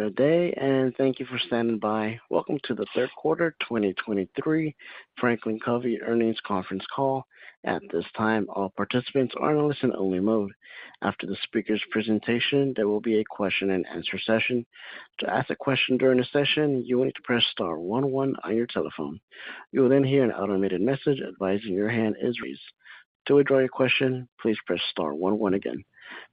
Good day, and thank you for standing by. Welcome to the third quarter 2023 FranklinCovey Earnings Conference Call. At this time, all participants are in a listen-only mode. After the speaker's presentation, there will be a question-and-answer session. To ask a question during the session, you will need to press star one one on your telephone. You will then hear an automated message advising your hand is raised. To withdraw your question, please press star one one again.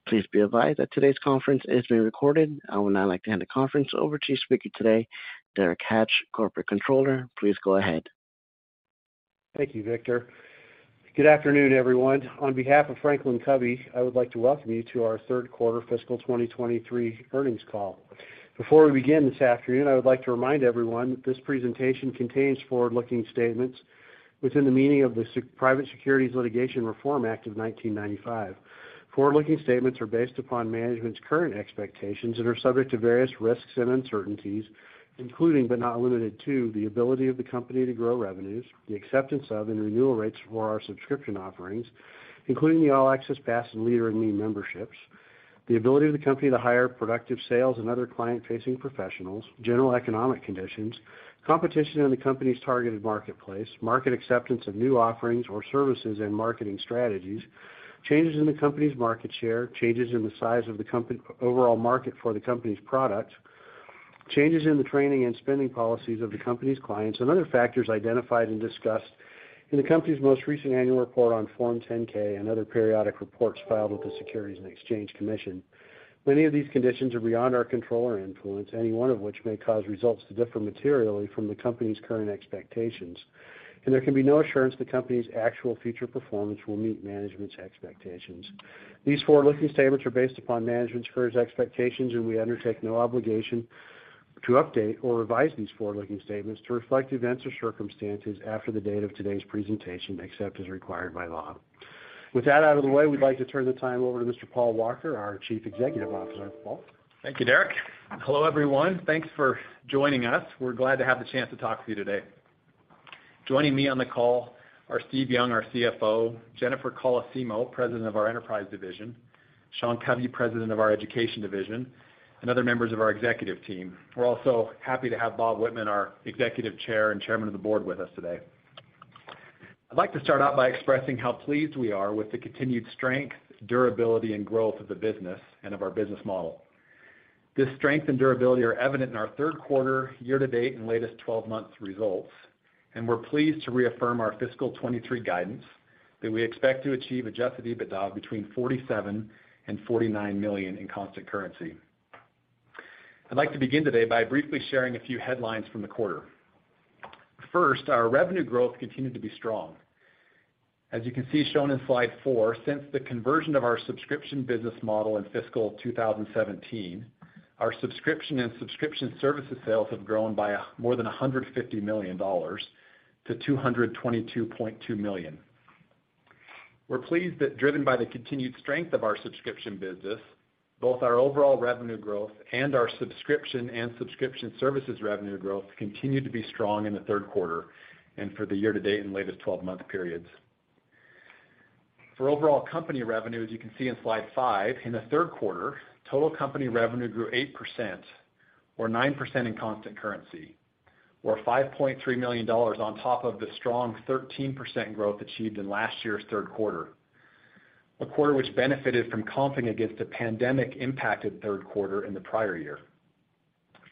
Please be advised that today's conference is being recorded. I would now like to hand the conference over to speaker today, Derek Hatch, Corporate Controller. Please go ahead. Thank you, Victor. Good afternoon, everyone. On behalf of FranklinCovey, I would like to welcome you to our third quarter fiscal 2023 earnings call. Before we begin this afternoon, I would like to remind everyone that this presentation contains forward-looking statements within the meaning of the Private Securities Litigation Reform Act of 1995. Forward-looking statements are based upon management's current expectations and are subject to various risks and uncertainties, including but not limited to, the ability of the company to grow revenues, the acceptance of and renewal rates for our subscription offerings, including the All Access Pass and Leader in Me memberships, the ability of the company to hire productive sales and other client-facing professionals, general economic conditions, competition in the company's targeted marketplace, market acceptance of new offerings or services and marketing strategies, changes in the company's market share, changes in the size of the overall market for the company's products, changes in the training and spending policies of the company's clients, and other factors identified and discussed in the company's most recent annual report on Form 10-K and other periodic reports filed with the Securities and Exchange Commission. Many of these conditions are beyond our control or influence, any one of which may cause results to differ materially from the company's current expectations, and there can be no assurance the company's actual future performance will meet management's expectations. These forward-looking statements are based upon management's current expectations, and we undertake no obligation to update or revise these forward-looking statements to reflect events or circumstances after the date of today's presentation, except as required by law. With that out oUpf the way, we'd like to turn the time over to Mr. Paul Walker, our Chief Executive Officer. Paul? Thank you, Derek. Hello, everyone. Thanks for joining us. We're glad to have the chance to talk to you today. Joining me on the call are Steve Young, our CFO; Jennifer Colosimo, President of Enterprise division; Sean Covey, President of our education division, and other members of our executive team. We're also happy to have Bob Whitman, our Executive Chair and Chairman of the Board, with us today. I'd like to start out by expressing how pleased we are with the continued strength, durability, and growth of the business and of our business model. This strength and durability are evident in our third quarter, year-to-date, and latest 12-month results, and we're pleased to reaffirm our fiscal 2023 guidance that we expect to achieve adjusted EBITDA between $47 million and $49 million in constant currency. I'd like to begin today by briefly sharing a few headlines from the quarter. First, our revenue growth continued to be strong. As you can see, shown in slide 4, since the conversion of our subscription business model in fiscal 2017, our subscription and subscription services sales have grown by more than $150 million to $222.2 million. We're pleased that, driven by the continued strength of our subscription business, both our overall revenue growth and our subscription and subscription services revenue growth continued to be strong in the third quarter and for the year-to-date and latest 12-month periods. For overall company revenue, as you can see in slide five, in the third quarter, total company revenue grew 8%, or 9% in constant currency, or $5.3 million on top of the strong 13% growth achieved in last year's third quarter, a quarter which benefited from comping against a pandemic-impacted third quarter in the prior year.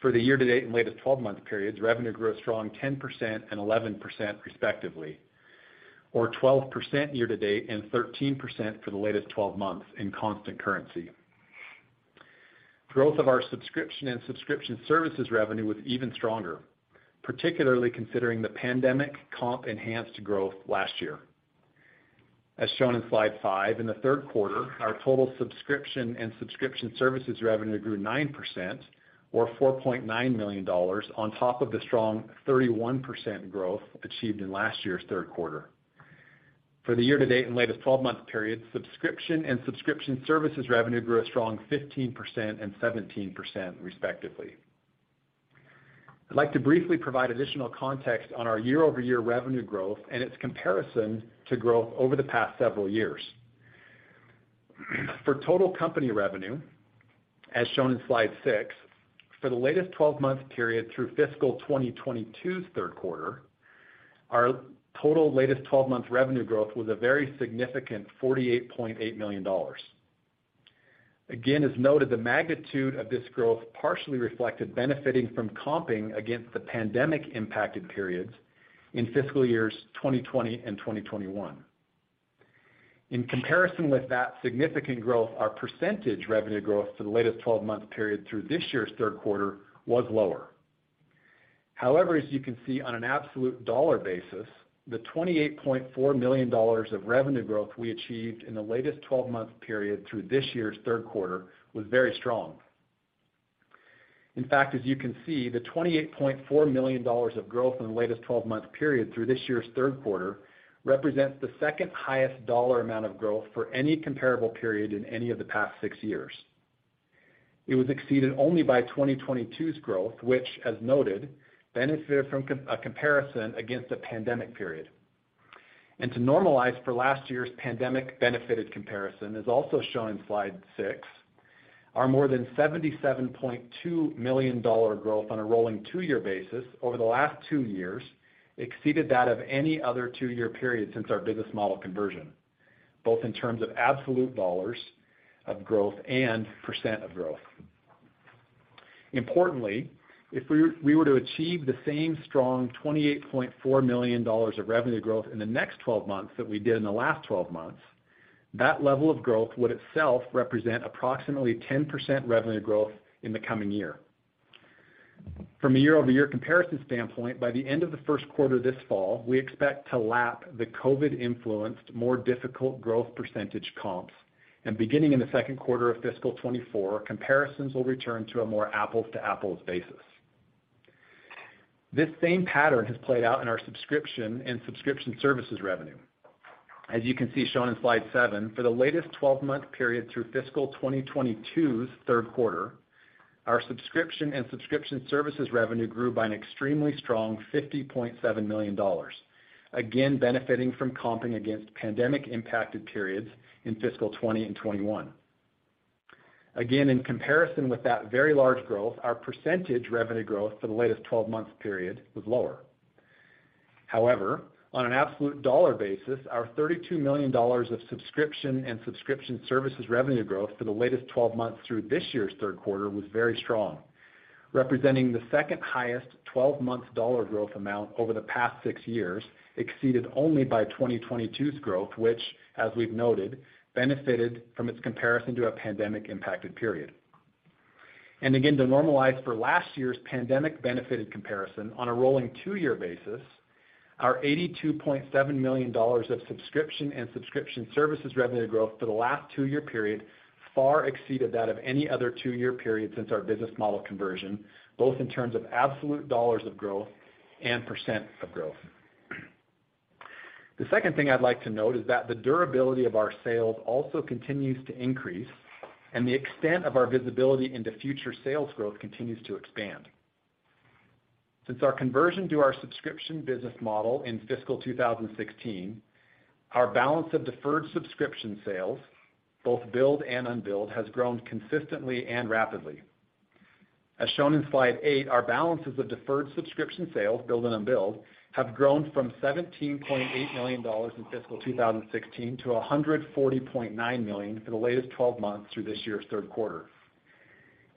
For the year-to-date and latest 12-month periods, revenue grew a strong 10% and 11%, respectively, or 12% year-to-date and 13% for the latest 12 months in constant currency. Growth of our subscription and subscription services revenue was even stronger, particularly considering the pandemic comp-enhanced growth last year. As shown in Slide 5, in the third quarter, our total subscription and subscription services revenue grew 9%, or $4.9 million, on top of the strong 31% growth achieved in last year's third quarter. For the year-to-date and latest twelve-month period, subscription and subscription services revenue grew a strong 15% and 17%, respectively. I'd like to briefly provide additional context on our year-over-year revenue growth and its comparison to growth over the past several years. For total company revenue, as shown in Slide 6, for the latest twelve-month period through fiscal 2022's third quarter, our total latest twelve-month revenue growth was a very significant $48.8 million. Again, as noted, the magnitude of this growth partially reflected benefiting from comping against the pandemic-impacted periods in fiscal years 2020 and 2021. In comparison with that significant growth, our percentage revenue growth for the latest twelve-month period through this year's third quarter was lower. However, as you can see, on an absolute dollar basis, the $28.4 million of revenue growth we achieved in the latest twelve-month period through this year's third quarter was very strong. In fact, as you can see, the $28.4 million of growth in the latest twelve-month period through this year's third quarter represents the second highest dollar amount of growth for any comparable period in any of the past six years. It was exceeded only by 2022's growth, which, as noted, benefited from a comparison against a pandemic period. To normalize for last year's pandemic-benefited comparison, as also shown in Slide 6, our more than $77.2 million growth on a rolling two-year basis over the last two years exceeded that of any other two-year period since our business model conversion, both in terms of absolute dollars of growth and % of growth. Importantly, if we were to achieve the same strong $28.4 million of revenue growth in the next 12 months that we did in the last 12 months, that level of growth would itself represent approximately 10% revenue growth in the coming year. From a year-over-year comparison standpoint, by the end of the 1st quarter this fall, we expect to lap the COVID-influenced, more difficult growth % comps, and beginning in the 2nd quarter of fiscal 2024, comparisons will return to a more apples-to-apples basis. This same pattern has played out in our subscription and subscription services revenue. As you can see, shown in Slide 7, for the latest 12-month period through fiscal 2022's third quarter, our subscription and subscription services revenue grew by an extremely strong $50.7 million, again, benefiting from comping against pandemic-impacted periods in fiscal 2020 and 2021. Again, in comparison with that very large growth, our percentage revenue growth for the latest 12-month period was lower. However, on an absolute dollar basis, our $32 million of subscription and subscription services revenue growth for the latest 12 months through this year's third quarter was very strong, representing the second highest 12-month dollar growth amount over the past 6 years, exceeded only by 2022's growth, which, as we've noted, benefited from its comparison to a pandemic-impacted period. Again, to normalize for last year's pandemic-benefited comparison, on a rolling two-year basis, our $82.7 million of subscription and subscription services revenue growth for the last two-year period far exceeded that of any other two-year period since our business model conversion, both in terms of absolute dollars of growth and % of growth. The second thing I'd like to note is that the durability of our sales also continues to increase, and the extent of our visibility into future sales growth continues to expand. Since our conversion to our subscription business model in fiscal 2016, our balance of deferred subscription sales, both billed and unbilled, has grown consistently and rapidly. As shown in Slide eight, our balances of deferred subscription sales, billed and unbilled, have grown from $17.8 million in fiscal 2016 to $140.9 million for the latest 12 months through this year's third quarter.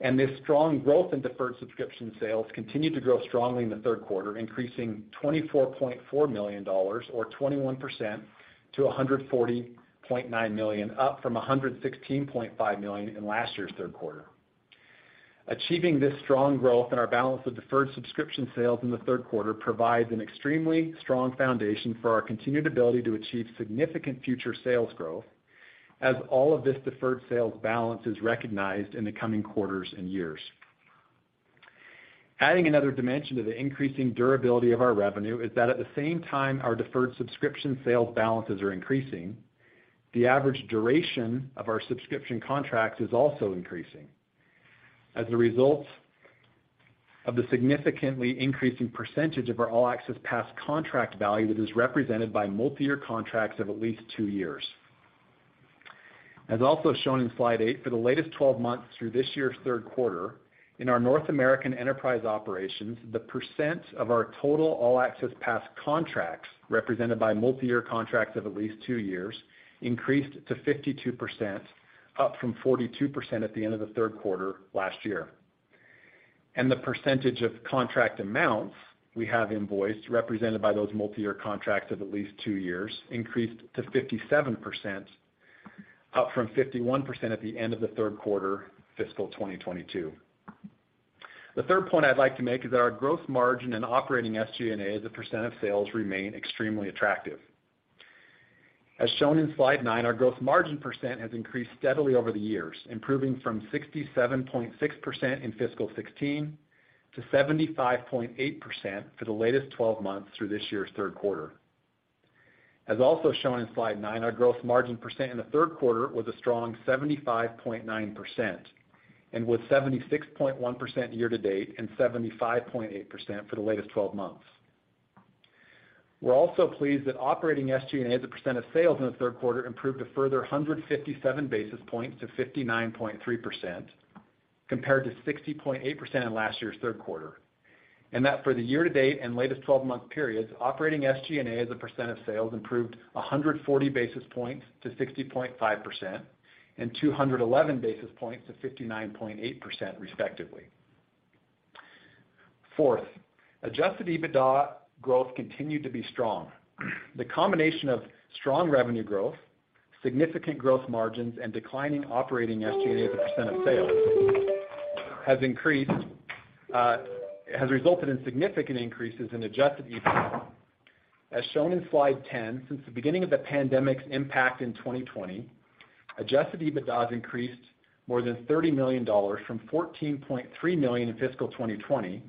This strong growth in deferred subscription sales continued to grow strongly in the third quarter, increasing $24.4 million or 21% to $140.9 million, up from $116.5 million in last year's third quarter. Achieving this strong growth in our balance of deferred subscription sales in the third quarter provides an extremely strong foundation for our continued ability to achieve significant future sales growth, as all of this deferred sales balance is recognized in the coming quarters and years. Adding another dimension to the increasing durability of our revenue is that at the same time our deferred subscription sales balances are increasing, the average duration of our subscription contracts is also increasing. As a result of the significantly increasing percentage of our All Access Pass contract value that is represented by multiyear contracts of at least 2 years. As also shown in Slide 8, for the latest 12 months through this year's 3rd quarter, in our North American enterprise operations, the percent of our total All Access Pass contracts, represented by multiyear contracts of at least 2 years, increased to 52%, up from 42% at the end of the 3rd quarter last year. The percentage of contract amounts we have invoiced, represented by those multiyear contracts of at least two years, increased to 57%, up from 51% at the end of the third quarter, fiscal 2022. The third point I'd like to make is that our growth margin and operating SG&A as a percent of sales remain extremely attractive. As shown in Slide 9, our growth margin percent has increased steadily over the years, improving from 67.6% in fiscal 2016 to 75.8% for the latest 12 months through this year's third quarter. As also shown in Slide 9, our growth margin percent in the third quarter was a strong 75.9%, and was 76.1% year-to-date and 75.8% for the latest 12 months. We're also pleased that operating SG&A as a percent of sales in the third quarter improved a further 157 basis points to 59.3%, compared to 60.8% in last year's third quarter. That for the year-to-date and latest twelve-month periods, operating SG&A as a percent of sales improved 140 basis points to 60.5%, and 211 basis points to 59.8%, respectively. Fourth, adjusted EBITDA growth continued to be strong. The combination of strong revenue growth, significant growth margins, and declining operating SG&A as a percent of sales, has resulted in significant increases in adjusted EBITDA. As shown in Slide 10, since the beginning of the pandemic's impact in 2020, adjusted EBITDA has increased more than $30 million from $14.3 million in fiscal 2020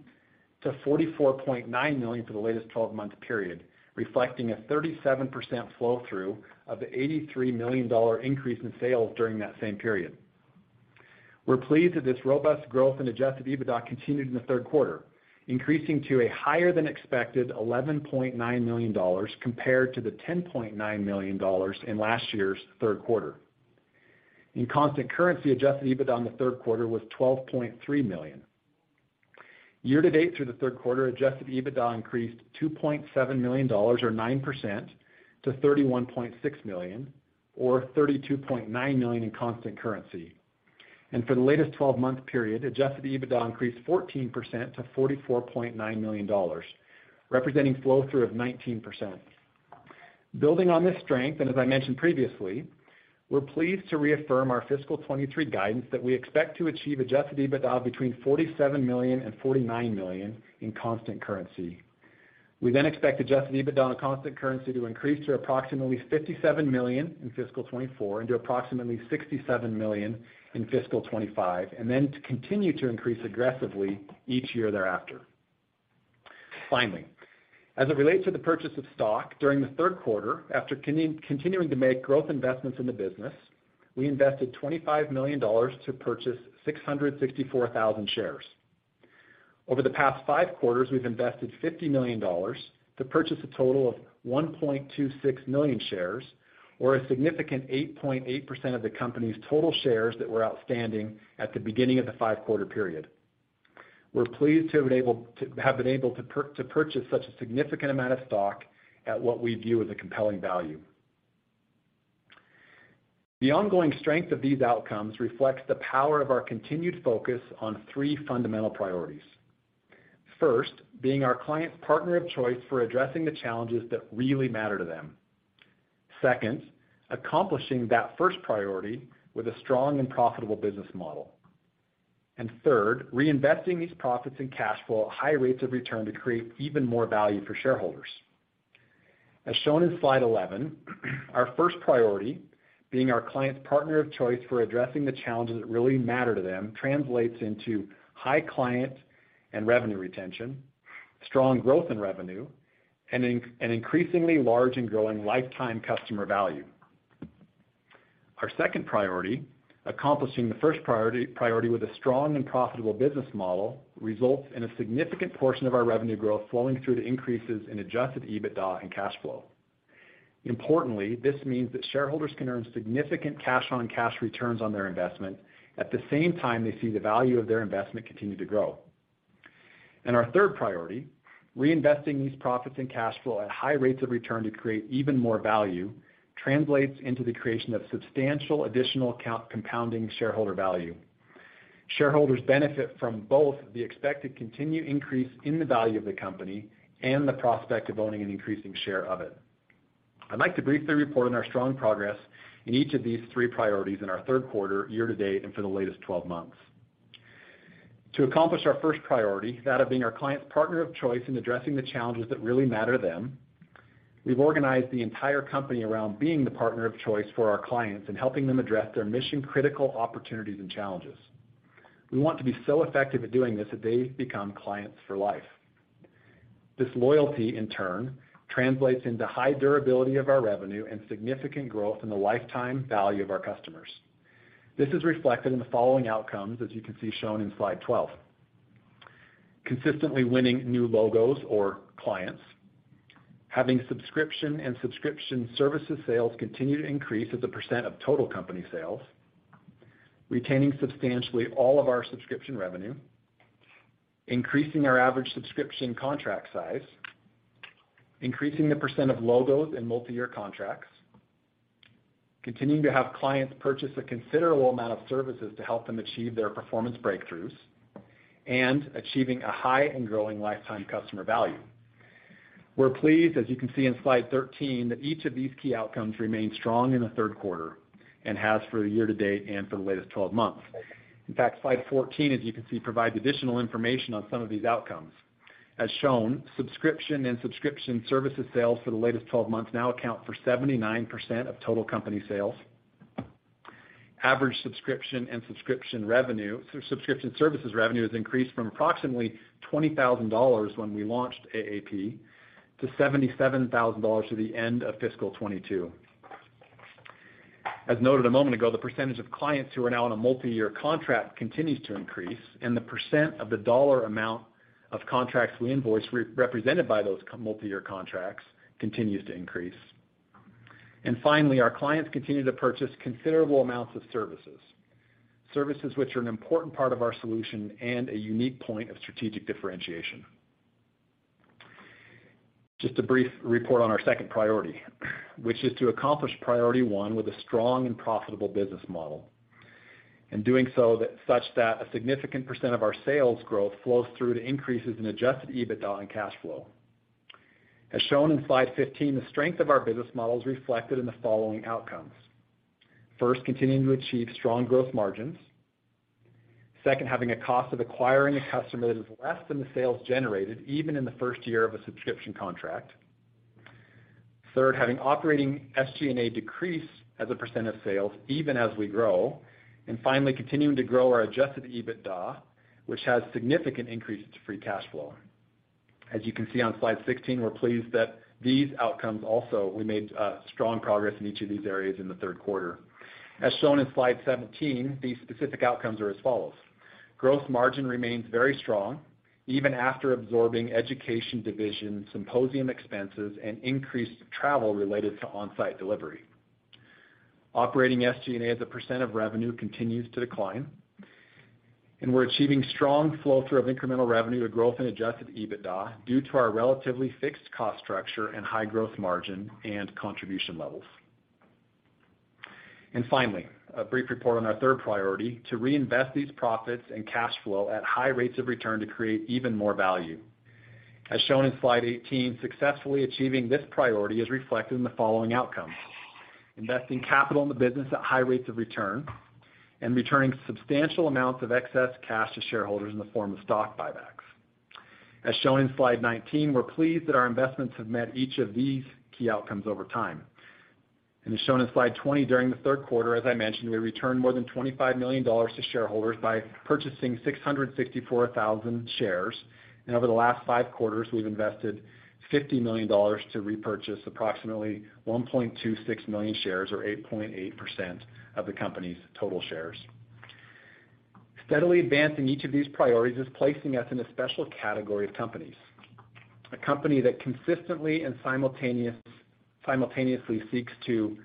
to $44.9 million for the latest 12-month period, reflecting a 37% flow-through of the $83 million increase in sales during that same period. We're pleased that this robust growth in adjusted EBITDA continued in the third quarter, increasing to a higher than expected $11.9 million compared to the $10.9 million in last year's third quarter. In constant currency, adjusted EBITDA in the third quarter was $12.3 million. Year-to-date through the third quarter, adjusted EBITDA increased $2.7 million or 9% to $31.6 million, or $32.9 million in constant currency. For the latest 12-month period, adjusted EBITDA increased 14% to $44.9 million, representing flow-through of 19%. Building on this strength, and as I mentioned previously, we're pleased to reaffirm our fiscal 2023 guidance that we expect to achieve adjusted EBITDA between $47 million and $49 million in constant currency. We expect adjusted EBITDA on a constant currency to increase to approximately $57 million in fiscal 2024 and to approximately $67 million in fiscal 2025, and then to continue to increase aggressively each year thereafter. Finally, as it relates to the purchase of stock, during the third quarter, after continuing to make growth investments in the business, we invested $25 million to purchase 664,000 shares. Over the past 5 quarters, we've invested $50 million to purchase a total of 1.26 million shares, or a significant 8.8% of the company's total shares that were outstanding at the beginning of the 5-quarter period. We're pleased to have been able to purchase such a significant amount of stock at what we view as a compelling value. The ongoing strength of these outcomes reflects the power of our continued focus on 3 fundamental priorities. First, being our client's partner of choice for addressing the challenges that really matter to them. Second, accomplishing that first priority with a strong and profitable business model. Third, reinvesting these profits in cash flow at high rates of return to create even more value for shareholders. As shown in Slide 11, our first priority, being our client's partner of choice for addressing the challenges that really matter to them, translates into high client and revenue retention, strong growth in revenue, and an increasingly large and growing lifetime customer value. Our second priority, accomplishing the first priority with a strong and profitable business model, results in a significant portion of our revenue growth flowing through to increases in adjusted EBITDA and cash flow. This means that shareholders can earn significant cash on cash returns on their investment, at the same time they see the value of their investment continue to grow. Our third priority, reinvesting these profits and cash flow at high rates of return to create even more value, translates into the creation of substantial additional compounding shareholder value. Shareholders benefit from both the expected continued increase in the value of the company and the prospect of owning an increasing share of it. I'd like to briefly report on our strong progress in each of these three priorities in our third quarter, year to date, and for the latest 12 months. To accomplish our first priority, that of being our client's partner of choice in addressing the challenges that really matter to them, we've organized the entire company around being the partner of choice for our clients and helping them address their mission-critical opportunities and challenges. We want to be so effective at doing this that they become clients for life. This loyalty, in turn, translates into high durability of our revenue and significant growth in the lifetime value of our customers. This is reflected in the following outcomes, as you can see shown in Slide 12. Consistently winning new logos or clients, having subscription and subscription services sales continue to increase as a percent of total company sales, retaining substantially all of our subscription revenue, increasing our average subscription contract size, increasing the percent of logos and multiyear contracts, continuing to have clients purchase a considerable amount of services to help them achieve their performance breakthroughs, and achieving a high and growing lifetime customer value. We're pleased, as you can see in Slide 13, that each of these key outcomes remained strong in the third quarter and has for the year to date and for the latest 12 months. Slide 14, as you can see, provides additional information on some of these outcomes. As shown, subscription and subscription services sales for the latest 12 months now account for 79% of total company sales. Average subscription and subscription revenue, so subscription services revenue, has increased from approximately $20,000 when we launched AAP to $77,000 through the end of fiscal 2022. As noted a moment ago, the % of clients who are now on a multiyear contract continues to increase, the % of the dollar amount of contracts we invoice represented by those multiyear contracts continues to increase. Finally, our clients continue to purchase considerable amounts of services which are an important part of our solution and a unique point of strategic differentiation. Just a brief report on our second priority, which is to accomplish priority one with a strong and profitable business model, doing so such that a significant % of our sales growth flows through to increases in adjusted EBITDA and cash flow. As shown in Slide 15, the strength of our business model is reflected in the following outcomes. 1st, continuing to achieve strong growth margins. 2nd, having a cost of acquiring a customer that is less than the sales generated, even in the 1st year of a subscription contract. 3rd, having operating SG&A decrease as a percent of sales, even as we grow. Finally, continuing to grow our adjusted EBITDA, which has significant increase to free cash flow. As you can see on Slide 16, we're pleased that these outcomes also, we made strong progress in each of these areas in the 3rd quarter. As shown in Slide 17, these specific outcomes are as follows: Gross margin remains very strong, even after absorbing Education Division, symposium expenses, and increased travel related to on-site delivery. Operating SG&A as a % of revenue continues to decline, and we're achieving strong flow-through of incremental revenue to growth and adjusted EBITDA, due to our relatively fixed cost structure and high growth margin and contribution levels. Finally, a brief report on our third priority, to reinvest these profits and cash flow at high rates of return to create even more value. Shown in slide 18, successfully achieving this priority is reflected in the following outcomes: Investing capital in the business at high rates of return, and returning substantial amounts of excess cash to shareholders in the form of stock buybacks. Shown in slide 19, we're pleased that our investments have met each of these key outcomes over time. As shown in slide 20, during the third quarter, as I mentioned, we returned more than $25 million to shareholders by purchasing 664,000 shares. Over the last 5 quarters, we've invested $50 million to repurchase approximately 1.26 million shares, or 8.8% of the company's total shares. Steadily advancing each of these priorities is placing us in a special category of companies. A company that consistently and simultaneously seeks to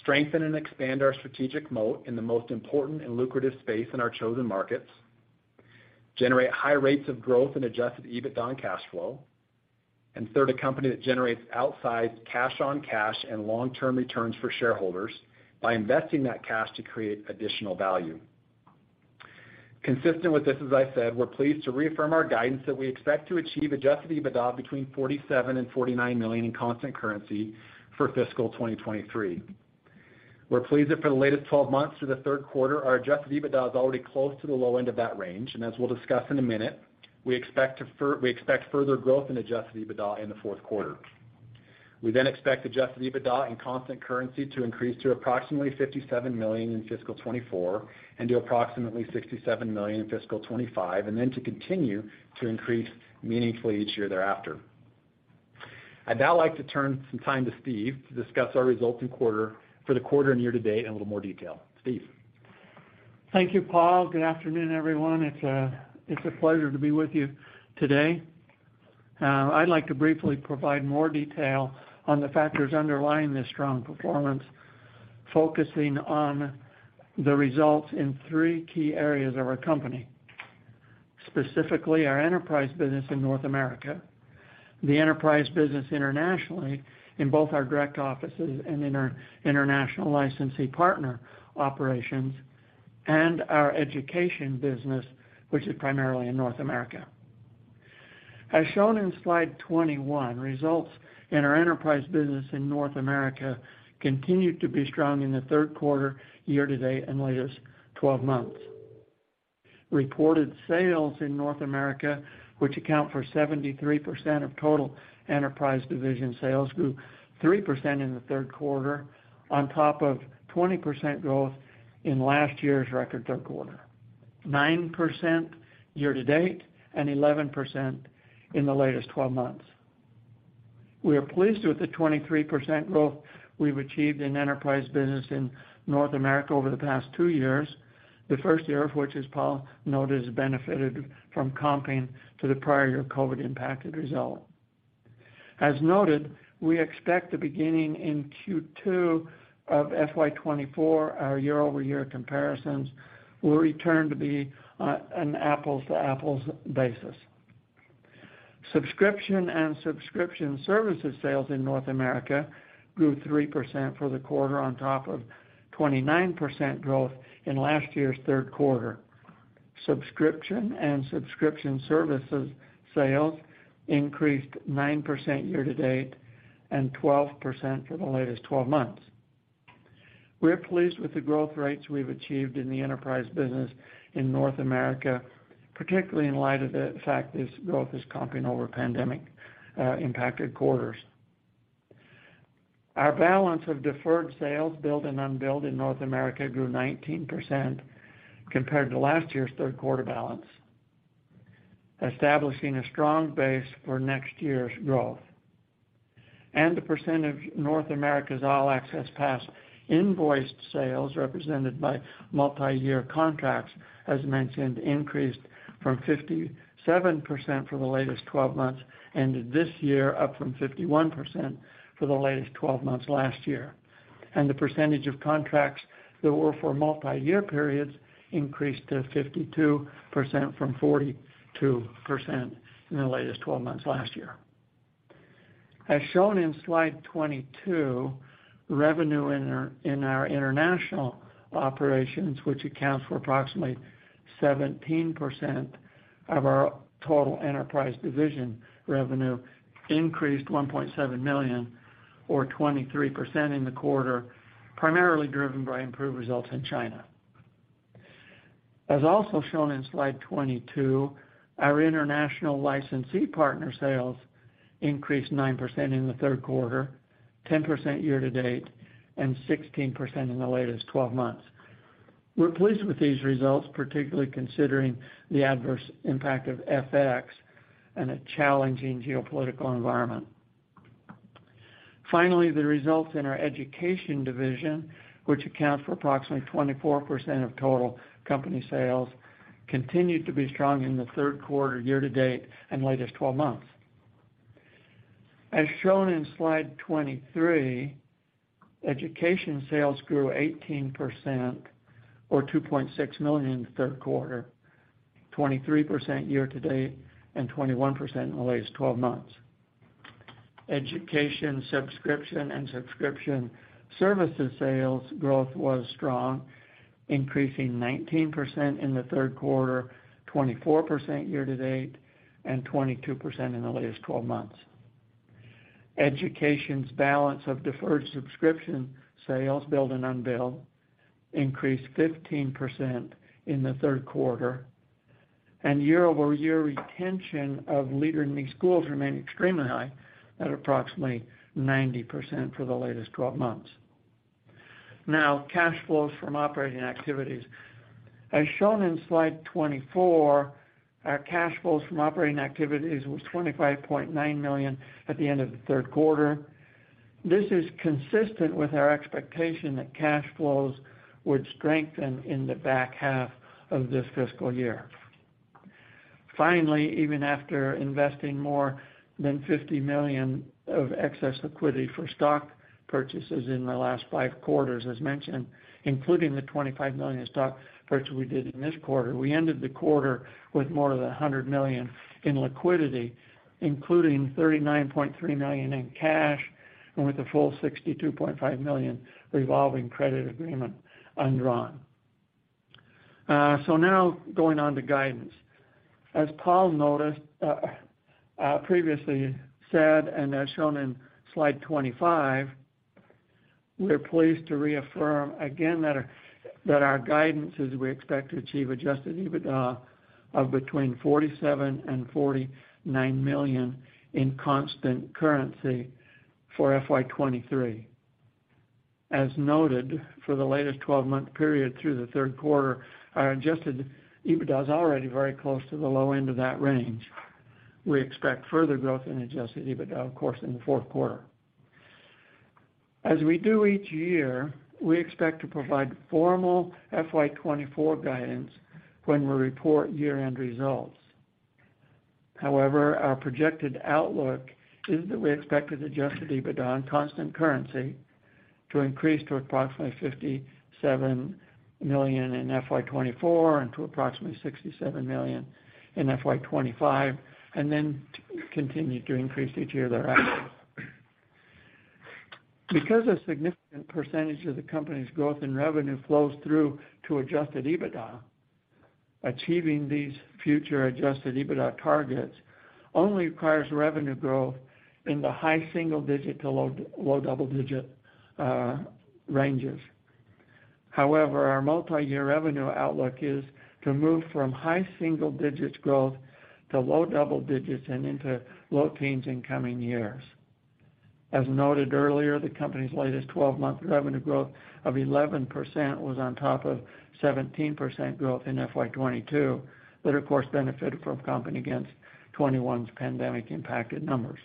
strengthen and expand our strategic moat in the most important and lucrative space in our chosen markets, generate high rates of growth and adjusted EBITDA and cash flow, and third, a company that generates outsized cash on cash and long-term returns for shareholders by investing that cash to create additional value. Consistent with this, as I said, we're pleased to reaffirm our guidance that we expect to achieve adjusted EBITDA between $47 million and $49 million in constant currency for fiscal 2023. We're pleased that for the latest 12 months through the third quarter, our adjusted EBITDA is already close to the low end of that range, as we'll discuss in a minute, we expect further growth in adjusted EBITDA in the fourth quarter. We expect adjusted EBITDA in constant currency to increase to approximately $57 million in fiscal 2024, to approximately $67 million in fiscal 2025, and to continue to increase meaningfully each year thereafter. I'd now like to turn some time to Steve to discuss our results for the quarter and year to date in a little more detail. Steve? Thank you, Paul. Good afternoon, everyone. It's a pleasure to be with you today. I'd like to briefly provide more detail on the factors underlying this strong performance, focusing on the results in three key areas of our company. Specifically, our enterprise business in North America, the enterprise business internationally, in both our direct offices and in our international licensee partner operations, and our education business, which is primarily in North America. As shown in slide 21, results in our enterprise business in North America continued to be strong in the third quarter, year to date, and latest 12 months. Reported sales in North America, which account for 73% of total enterprise division sales, grew 3% in the third quarter, on top of 20% growth in last year's record third quarter. 9% year to date, and 11% in the latest 12 months. We are pleased with the 23% growth we've achieved in enterprise business in North America over the past 2 years, the first year of which, as Paul noted, has benefited from comping to the prior year COVID-impacted result. As noted, we expect that beginning in Q2 of FY 2024, our year-over-year comparisons will return to be an apples-to-apples basis. Subscription and subscription services sales in North America grew 3% for the quarter, on top of 29% growth in last year's third quarter. Subscription and subscription services sales increased 9% year to date and 12% for the latest 12 months. We are pleased with the growth rates we've achieved in the enterprise business in North America, particularly in light of the fact this growth is comping over pandemic impacted quarters. Our balance of deferred sales, billed and unbilled, in North America grew 19% compared to last year's third quarter balance, establishing a strong base for next year's growth. The percent of North America's All Access Pass invoiced sales, represented by multiyear contracts, as mentioned, increased from 57% for the latest 12 months, ended this year, up from 51% for the latest 12 months last year. The percentage of contracts that were for multiyear periods increased to 52% from 42% in the latest 12 months last year. As shown in slide 22, revenue in our international operations, which account for approximately 17% of our total enterprise division revenue, increased $1.7 million, or 23%, in the quarter, primarily driven by improved results in China. As also shown in slide 22, our international licensee partner sales... increased 9% in the third quarter, 10% year-to-date, and 16% in the latest 12 months. We're pleased with these results, particularly considering the adverse impact of FX and a challenging geopolitical environment. Finally, the results in our education division, which account for approximately 24% of total company sales, continued to be strong in the third quarter, year-to-date, and latest 12 months. As shown in slide 23, education sales grew 18% or $2.6 million in the third quarter, 23% year-to-date, and 21% in the latest 12 months. Education subscription and subscription services sales growth was strong, increasing 19% in the third quarter, 24% year-to-date, and 22% in the latest 12 months. Education's balance of deferred subscription sales, billed and unbilled, increased 15% in the third quarter, and year-over-year retention of Leader in Me schools remained extremely high at approximately 90% for the latest 12 months. Now, cash flows from operating activities. As shown in slide 24, our cash flows from operating activities was $25.9 million at the end of the third quarter. This is consistent with our expectation that cash flows would strengthen in the back half of this fiscal year. Finally, even after investing more than $50 million of excess liquidity for stock purchases in the last 5 quarters, as mentioned, including the $25 million stock purchase we did in this quarter, we ended the quarter with more than $100 million in liquidity, including $39.3 million in cash, and with a full $62.5 million revolving credit agreement undrawn. Now going on to guidance. As Paul noticed, previously said, and as shown in slide 25, we're pleased to reaffirm again that our guidance is we expect to achieve adjusted EBITDA of between $47 million-$49 million in constant currency for FY 2023. As noted, for the latest 12-month period through the third quarter, our adjusted EBITDA is already very close to the low end of that range. We expect further growth in adjusted EBITDA, of course, in the fourth quarter. As we do each year, we expect to provide formal FY 2024 guidance when we report year-end results. Our projected outlook is that we expect adjusted EBITDA on constant currency to increase to approximately $57 million in FY 2024 and to approximately $67 million in FY 2025, continue to increase each year thereafter. Because a significant percentage of the company's growth in revenue flows through to adjusted EBITDA, achieving these future adjusted EBITDA targets only requires revenue growth in the high single digit to low double digit ranges. However, our multiyear revenue outlook is to move from high single digits growth to low double digits and into low teens in coming years. As noted earlier, the company's latest 12-month revenue growth of 11% was on top of 17% growth in FY 2022, that, of course, benefited from comparing against 2021's pandemic-impacted numbers.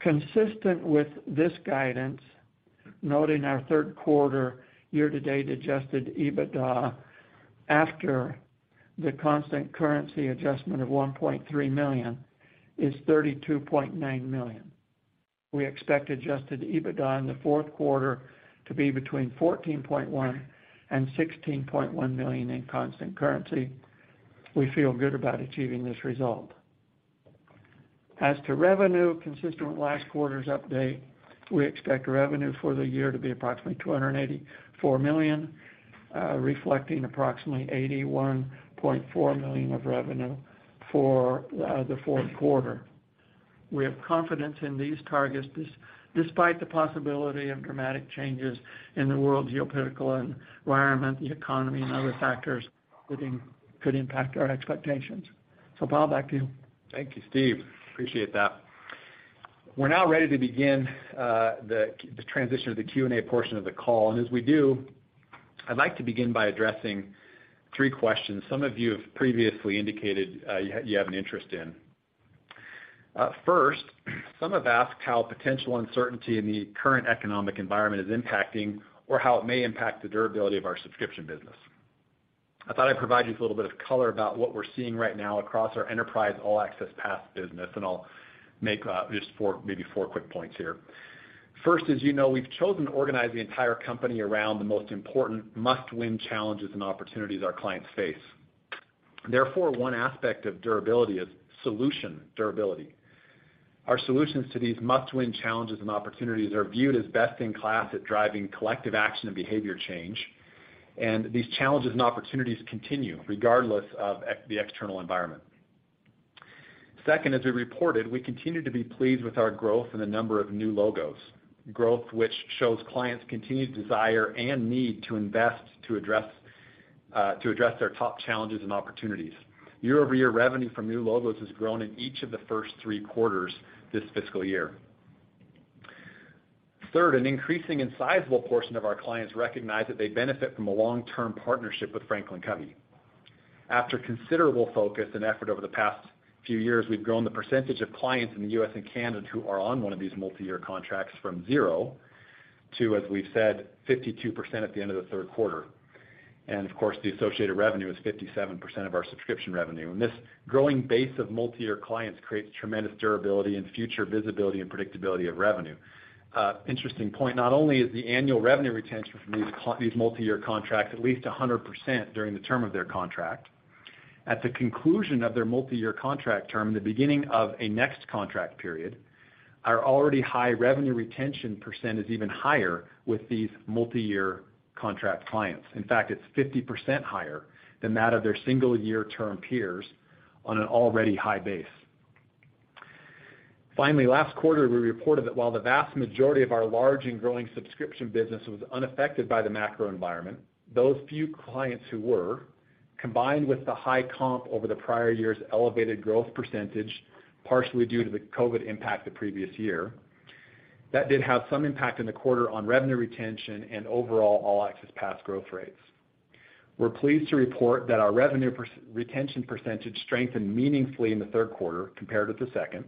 Consistent with this guidance, noting our third quarter year-to-date adjusted EBITDA after the constant currency adjustment of $1.3 million, is $32.9 million. We expect adjusted EBITDA in the fourth quarter to be between $14.1 million and $16.1 million in constant currency. We feel good about achieving this result. As to revenue, consistent with last quarter's update, we expect revenue for the year to be approximately $284 million, reflecting approximately $81.4 million of revenue for the fourth quarter. We have confidence in these targets, despite the possibility of dramatic changes in the world geopolitical environment, the economy, and other factors that could impact our expectations. Paul, back to you. Thank you, Steve. Appreciate that. We're now ready to begin the transition to the Q&A portion of the call. As we do, I'd like to begin by addressing three questions some of you have previously indicated you have an interest in. First, some have asked how potential uncertainty in the current economic environment is impacting or how it may impact the durability of our subscription business. I thought I'd provide you with a little bit of color about what we're seeing right now across our enterprise All Access Pass business, and I'll make just four, maybe four quick points here. First, as you know, we've chosen to organize the entire company around the most important must-win challenges and opportunities our clients face. Therefore, one aspect of durability is solution durability. Our solutions to these must-win challenges and opportunities are viewed as best-in-class at driving collective action and behavior change, and these challenges and opportunities continue regardless of the external environment. Second, as we reported, we continue to be pleased with our growth in the number of new logos, growth which shows clients' continued desire and need to invest to address their top challenges and opportunities. Year-over-year revenue from new logos has grown in each of the first three quarters this fiscal year. Third, an increasing and sizable portion of our clients recognize that they benefit from a long-term partnership with FranklinCovey. After considerable focus and effort over the past few years, we've grown the percentage of clients in the U.S. and Canada who are on one of these multi-year contracts from 0 to, as we've said, 52% at the end of the third quarter. Of course, the associated revenue is 57% of our subscription revenue. This growing base of multi-year clients creates tremendous durability and future visibility and predictability of revenue. Interesting point, not only is the annual revenue retention from these multi-year contracts at least 100% during the term of their contract, at the conclusion of their multi-year contract term, the beginning of a next contract period, our already high revenue retention percent is even higher with these multi-year contract clients. In fact, it's 50% higher than that of their single-year term peers on an already high base. Finally, last quarter, we reported that while the vast majority of our large and growing subscription business was unaffected by the macro environment, those few clients who were, combined with the high comp over the prior year's elevated growth %, partially due to the COVID impact the previous year, that did have some impact in the quarter on revenue retention and overall All Access Pass growth rates. We're pleased to report that our revenue retention % strengthened meaningfully in the third quarter compared with the second,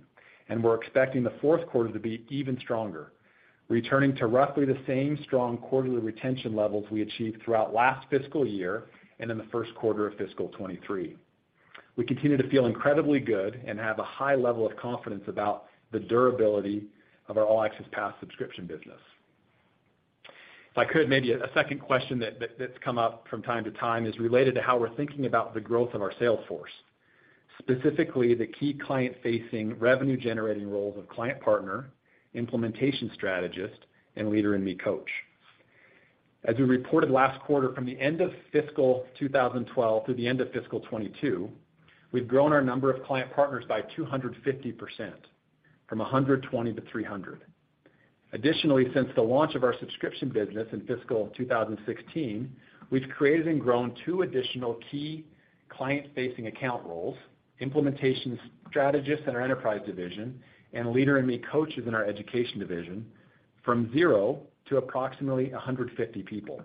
and we're expecting the fourth quarter to be even stronger, returning to roughly the same strong quarterly retention levels we achieved throughout last fiscal year and in the first quarter of fiscal 2023. We continue to feel incredibly good and have a high level of confidence about the durability of our All Access Pass subscription business. If I could, maybe a second question that's come up from time to time is related to how we're thinking about the growth of our sales force, specifically the key client-facing, revenue-generating roles of client partner, implementation strategist, and Leader in Me coach. As we reported last quarter, from the end of fiscal 2012 through the end of fiscal 2022, we've grown our number of client partners by 250%, from 120 to 300. Additionally, since the launch of our subscription business in fiscal 2016, we've created and grown two additional key client-facing account roles, implementation strategist in our enterprise division, and Leader in Me coaches in our education division, from 0 to approximately 150 people.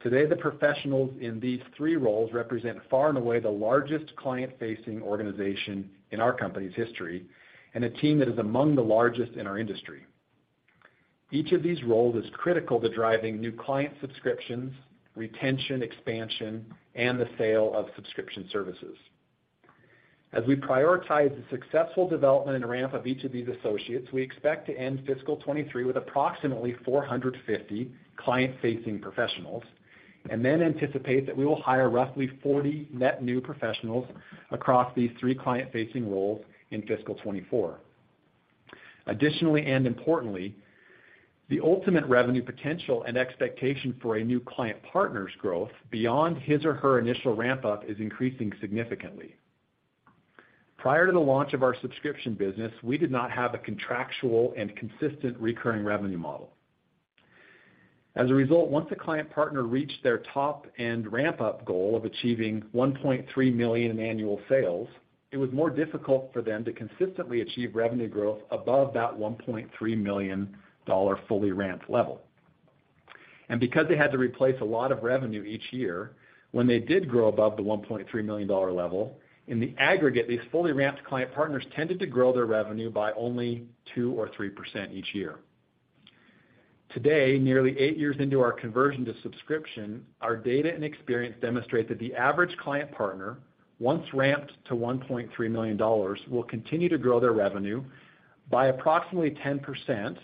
Today, the professionals in these three roles represent far and away the largest client-facing organization in our company's history and a team that is among the largest in our industry. Each of these roles is critical to driving new client subscriptions, retention, expansion, and the sale of subscription services. As we prioritize the successful development and ramp of each of these associates, we expect to end fiscal '23 with approximately 450 client-facing professionals, then anticipate that we will hire roughly 40 net new professionals across these three client-facing roles in fiscal '24. Additionally, and importantly, the ultimate revenue potential and expectation for a new client partner's growth beyond his or her initial ramp-up is increasing significantly. Prior to the launch of our subscription business, we did not have a contractual and consistent recurring revenue model. As a result, once a client partner reached their top-end ramp-up goal of achieving $1.3 million in annual sales, it was more difficult for them to consistently achieve revenue growth above that $1.3 million fully ramped level. Because they had to replace a lot of revenue each year, when they did grow above the $1.3 million level, in the aggregate, these fully ramped client partners tended to grow their revenue by only 2% or 3% each year. Today, nearly 8 years into our conversion to subscription, our data and experience demonstrate that the average client partner, once ramped to $1.3 million, will continue to grow their revenue by approximately 10%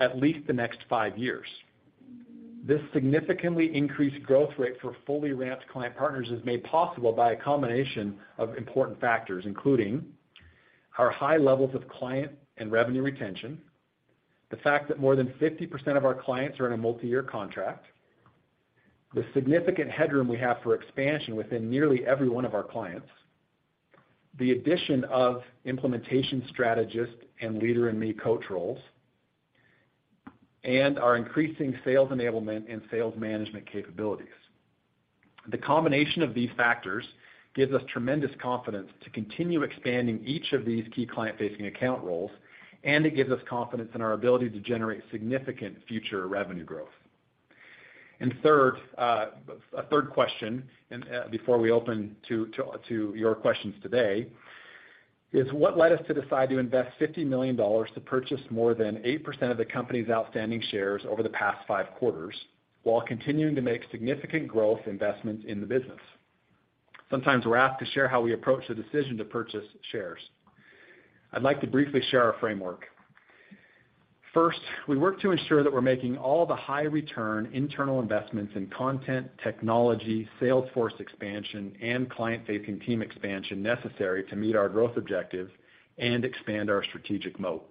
at least the next 5 years. This significantly increased growth rate for fully ramped client partners is made possible by a combination of important factors, including our high levels of client and revenue retention, the fact that more than 50% of our clients are in a multi-year contract, the significant headroom we have for expansion within nearly every one of our clients, the addition of implementation strategist and Leader in Me coach roles, and our increasing sales enablement and sales management capabilities. The combination of these factors gives us tremendous confidence to continue expanding each of these key client-facing account roles, and it gives us confidence in our ability to generate significant future revenue growth. Third, a third question, before we open to your questions today, is what led us to decide to invest $50 million to purchase more than 8% of the company's outstanding shares over the past 5 quarters, while continuing to make significant growth investments in the business? Sometimes we're asked to share how we approach the decision to purchase shares. I'd like to briefly share our framework. First, we work to ensure that we're making all the high-return internal investments in content, technology, sales force expansion, and client-facing team expansion necessary to meet our growth objectives and expand our strategic moat.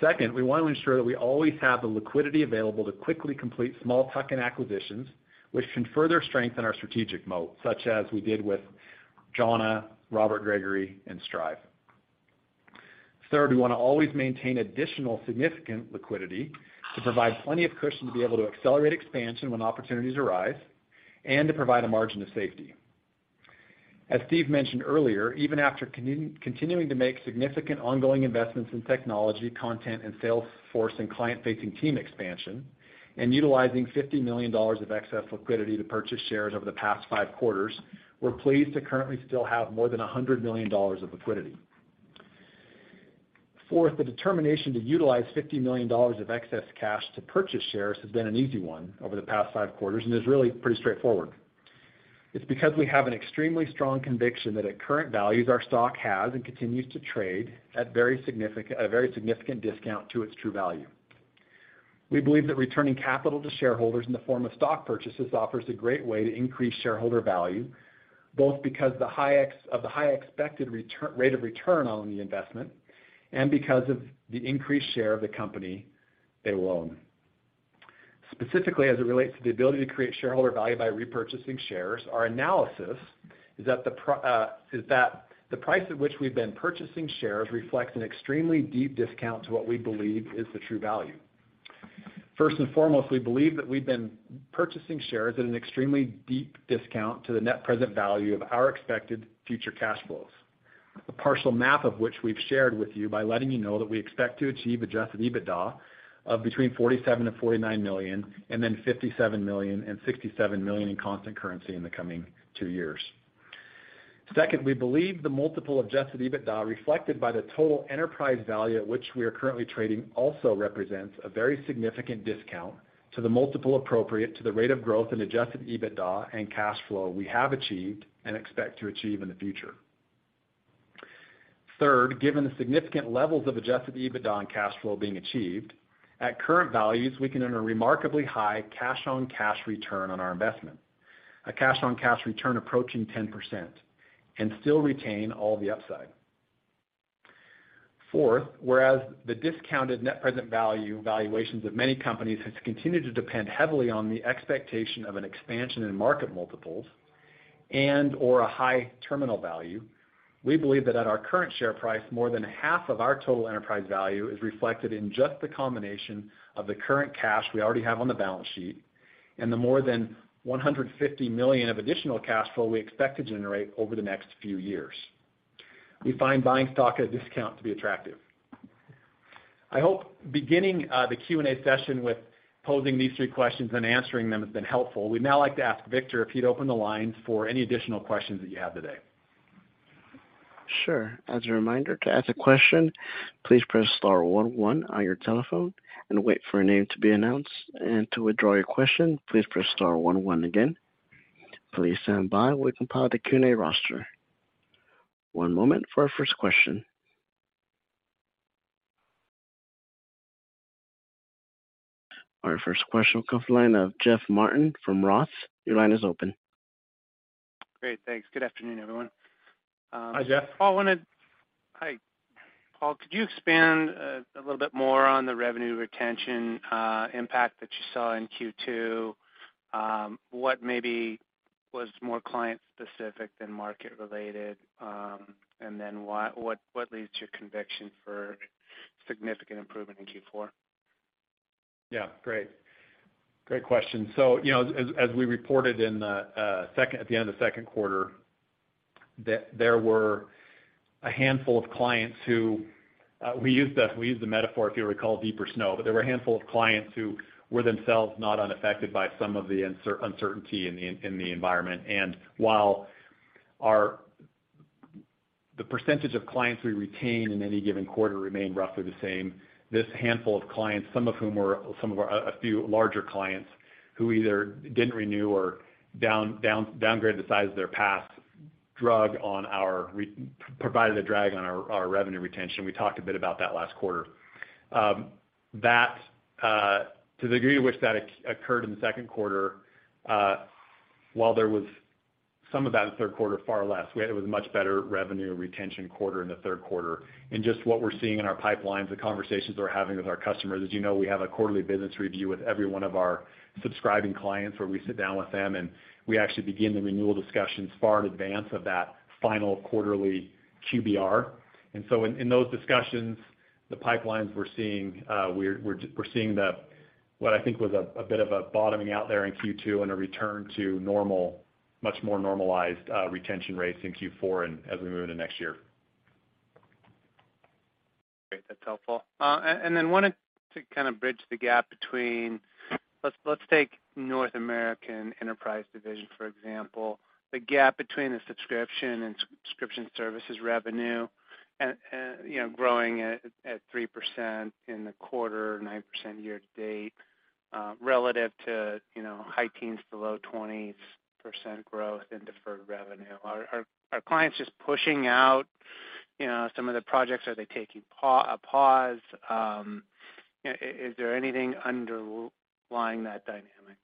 Second, we want to ensure that we always have the liquidity available to quickly complete small tuck-in acquisitions, which can further strengthen our strategic moat, such as we did with Jhana, Robert Gregory, and Strive. Third, we wanna always maintain additional significant liquidity to provide plenty of cushion to be able to accelerate expansion when opportunities arise and to provide a margin of safety. As Steve mentioned earlier, even after continuing to make significant ongoing investments in technology, content, and sales force and client-facing team expansion, and utilizing $50 million of excess liquidity to purchase shares over the past five quarters, we're pleased to currently still have more than $100 million of liquidity. Fourth, the determination to utilize $50 million of excess cash to purchase shares has been an easy one over the past five quarters and is really pretty straightforward. It's because we have an extremely strong conviction that at current values, our stock has and continues to trade at a very significant discount to its true value. We believe that returning capital to shareholders in the form of stock purchases offers a great way to increase shareholder value, both because the high expected rate of return on the investment and because of the increased share of the company they will own. Specifically, as it relates to the ability to create shareholder value by repurchasing shares, our analysis is that the price at which we've been purchasing shares reflects an extremely deep discount to what we believe is the true value. First and foremost, we believe that we've been purchasing shares at an extremely deep discount to the net present value of our expected future cash flows. A partial map of which we've shared with you by letting you know that we expect to achieve adjusted EBITDA of between $47 million-$49 million, and then $57 million and $67 million in constant currency in the coming two years. Second, we believe the multiple adjusted EBITDA, reflected by the total enterprise value at which we are currently trading, also represents a very significant discount to the multiple appropriate to the rate of growth in adjusted EBITDA and cash flow we have achieved and expect to achieve in the future. Third, given the significant levels of adjusted EBITDA and cash flow being achieved, at current values, we can earn a remarkably high cash-on-cash return on our investment, a cash-on-cash return approaching 10% and still retain all the upside. Fourth, whereas the discounted net present value valuations of many companies has continued to depend heavily on the expectation of an expansion in market multiples and or a high terminal value, we believe that at our current share price, more than half of our total enterprise value is reflected in just the combination of the current cash we already have on the balance sheet and the more than $150 million of additional cash flow we expect to generate over the next few years. We find buying stock at a discount to be attractive. I hope beginning the Q&A session with posing these three questions and answering them has been helpful. We'd now like to ask Victor if he'd open the lines for any additional questions that you have today. Sure. As a reminder, to ask a question, please press star one one on your telephone and wait for your name to be announced. To withdraw your question, please press star one one again. Please stand by while we compile the Q&A roster. One moment for our first question. Our first question will come from the line of Jeff Martin from Roth. Your line is open. Great, thanks. Good afternoon, everyone. Hi, Jeff. Paul, Hi, Paul. Could you expand a little bit more on the revenue retention impact that you saw in Q2? What maybe was more client specific than market related? What leads to your conviction for significant improvement in Q4? Yeah, great. Great question. you know, as we reported in the, second, at the end of the second quarter, there were a handful of clients who, we used the, we used the metaphor, if you recall, deeper snow, but there were a handful of clients who were themselves not unaffected by some of the uncertainty in the, in the environment. while the percentage of clients we retain in any given quarter remain roughly the same, this handful of clients, some of whom were some of our, a few larger clients who either didn't renew or downgraded the size of their past, provided a drag on our revenue retention. We talked a bit about that last quarter. That, to the degree to which that occurred in the second quarter, while there was some of that in the third quarter, far less, we had a much better revenue retention quarter in the third quarter. Just what we're seeing in our pipelines, the conversations we're having with our customers, as you know, we have a quarterly business review with every one of our subscribing clients, where we sit down with them, and we actually begin the renewal discussions far in advance of that final quarterly QBR. In those discussions, the pipelines we're seeing, we're seeing the, what I think was a bit of a bottoming out there in Q2 and a return to normal, much more normalized, retention rates in Q4 and as we move into next year. Great. That's helpful. wanted to kind of bridge the gap between... Let's take North American Enterprise Division, for example. The gap between the subscription and subscription services revenue, you know, growing at 3% in the quarter, 9% year to date, relative to, you know, high teens to low 20% growth in deferred revenue. Are clients just pushing out, you know, some of the projects? Are they taking a pause? Is there anything underlying that dynamic?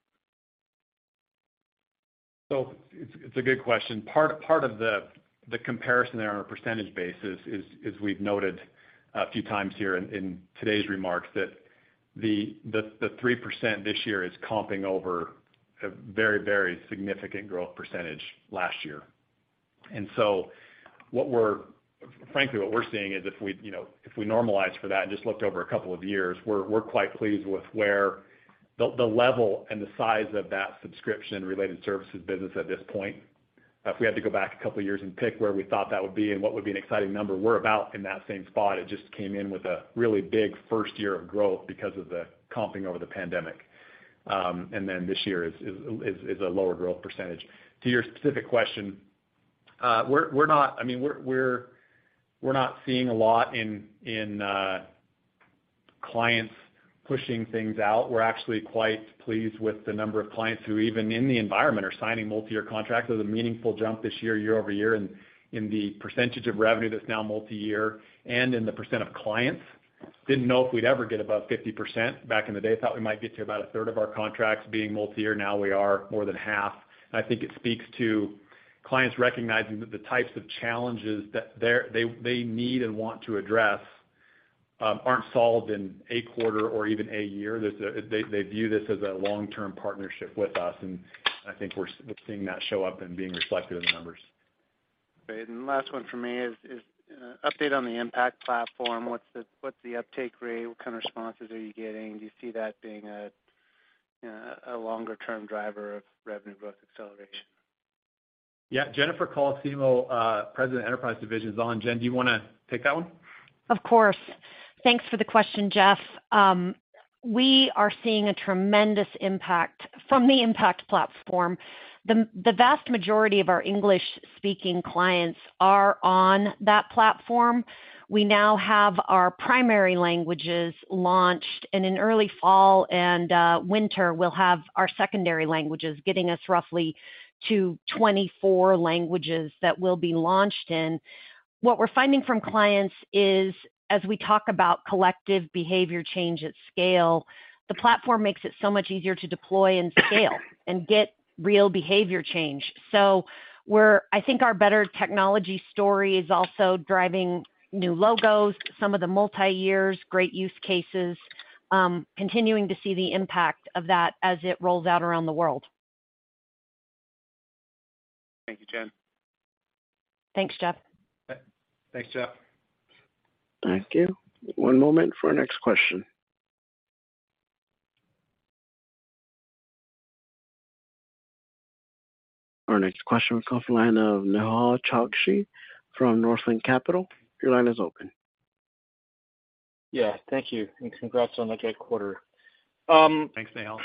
It's a good question. Part of the comparison there on a percentage basis is we've noted a few times here in today's remarks that the 3% this year is comping over a very, very significant growth percentage last year. Frankly, what we're seeing is if we, you know, if we normalize for that and just looked over a couple of years, we're quite pleased with where the level and the size of that subscription-related services business at this point. If we had to go back a couple of years and pick where we thought that would be and what would be an exciting number, we're about in that same spot. It just came in with a really big first year of growth because of the comping over the pandemic. This year is a lower growth percentage. To your specific question, I mean, we're not seeing a lot in clients pushing things out. We're actually quite pleased with the number of clients who, even in the environment, are signing multiyear contracts. There's a meaningful jump this year-over-year, in the percentage of revenue that's now multiyear and in the percent of clients. Didn't know if we'd ever get above 50% back in the day. I thought we might get to about a third of our contracts being multiyear, now we are more than half. I think it speaks to clients recognizing that the types of challenges that they need and want to address, aren't solved in a quarter or even a year. They view this as a long-term partnership with us, and I think we're seeing that show up and being reflected in the numbers. Great. Last one for me is update on the Impact Platform. What's the uptake rate? What kind of responses are you getting? Do you see that being a longer-term driver of revenue growth acceleration? Yeah. Jennifer Colosimo, President Enterprise Division, is on. Jen, do you want to take that one? Of course. Thanks for the question, Jeff. We are seeing a tremendous impact from the Impact Platform. The vast majority of our English-speaking clients are on that platform. We now have our primary languages launched, and in early fall and winter, we'll have our secondary languages, getting us roughly to 24 languages that we'll be launched in. What we're finding from clients is, as we talk about collective behavior change at scale, the platform makes it so much easier to deploy and scale and get real behavior change. I think our better technology story is also driving new logos, some of the multiyears, great use cases, continuing to see the impact of that as it rolls out around the world. Thank you, Jen. Thanks, Jeff. Thanks, Jeff. Thank you. One moment for our next question. Our next question comes from the line of Nihal Chokshi from Northland Capital. Your line is open. Yeah, thank you, and congrats on a great quarter. Thanks, Nihal.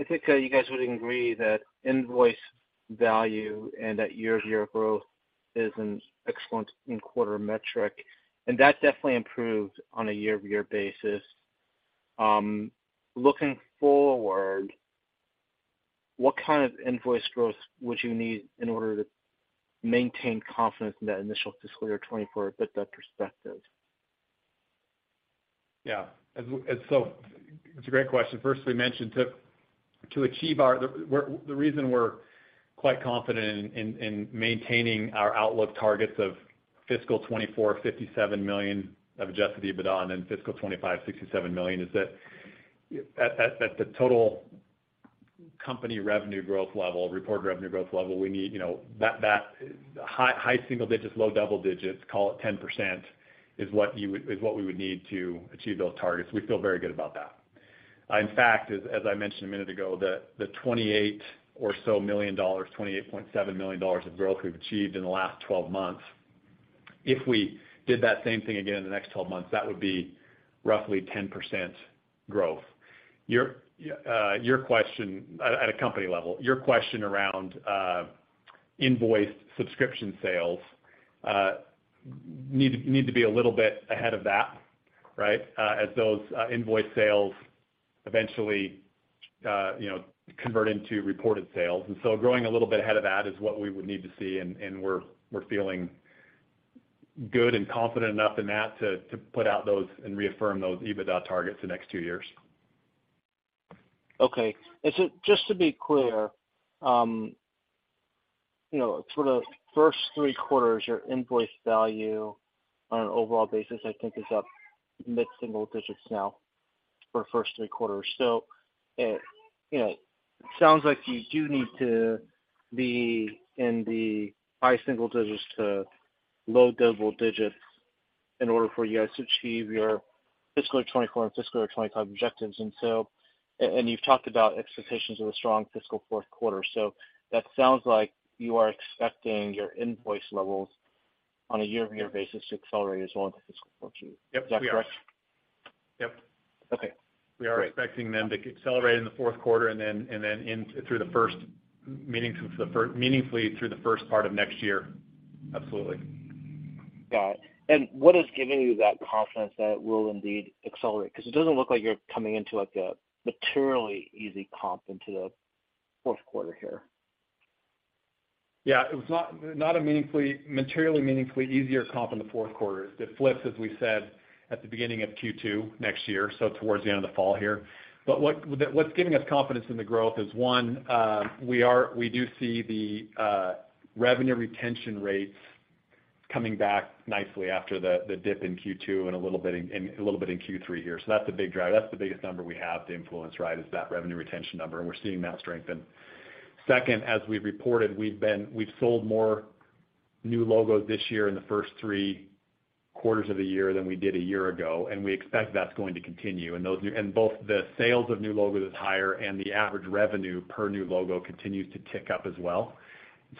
I think you guys would agree that invoice value and that year-over-year growth is an excellent in-quarter metric. That definitely improved on a year-over-year basis. Looking forward, what kind of invoice growth would you need in order to maintain confidence in that initial fiscal year 2024 with that perspective? Yeah. It's a great question. First, we mentioned to achieve the reason we're quite confident in maintaining our outlook targets of fiscal 2024, $57 million of adjusted EBITDA and then fiscal 2025, $67 million, is that, at the total company revenue growth level, reported revenue growth level, we need, you know, that high, high single digits, low double digits, call it 10%, is what we would need to achieve those targets. We feel very good about that. In fact, as I mentioned a minute ago, the $28 or so million, $28.7 million of growth we've achieved in the last 12 months, if we did that same thing again in the next 12 months, that would be roughly 10% growth. At a company level, your question around invoiced subscription sales need to be a little bit ahead of that, right? As those invoice sales eventually, you know, convert into reported sales. Growing a little bit ahead of that is what we would need to see, and we're feeling good and confident enough in that to put out those and reaffirm those EBITDA targets the next two years. Okay. Just to be clear, you know, for the first three quarters, your invoice value on an overall basis, I think, is up mid-single digits% now for the first three quarters. You know, it sounds like you do need to be in the high single digits% to low double digits% in order for you guys to achieve your fiscal 2024 and fiscal 2025 objectives. You've talked about expectations of a strong fiscal fourth quarter. That sounds like you are expecting your invoice levels on a year-over-year basis to accelerate as well into fiscal 2024. Yep, we are. Is that correct? Yep. Okay. We are expecting them to accelerate in the fourth quarter and then meaningfully through the first part of next year. Absolutely. Got it. What is giving you that confidence that it will indeed accelerate? It doesn't look like you're coming into, like, a materially easy comp into the fourth quarter here. Yeah, it was not a meaningfully, materially, meaningfully easier comp in the fourth quarter. It flips, as we said, at the beginning of Q2 next year, so towards the end of the fall here. What's giving us confidence in the growth is, one, we do see the revenue retention rates coming back nicely after the dip in Q2 and a little bit in Q3 here. That's the big driver, that's the biggest number we have to influence, right? Is that revenue retention number, and we're seeing that strengthen. Second, as we've reported, we've sold more new logos this year in the first three quarters of the year than we did a year ago, and we expect that's going to continue. Both the sales of new logos is higher, and the average revenue per new logo continues to tick up as well.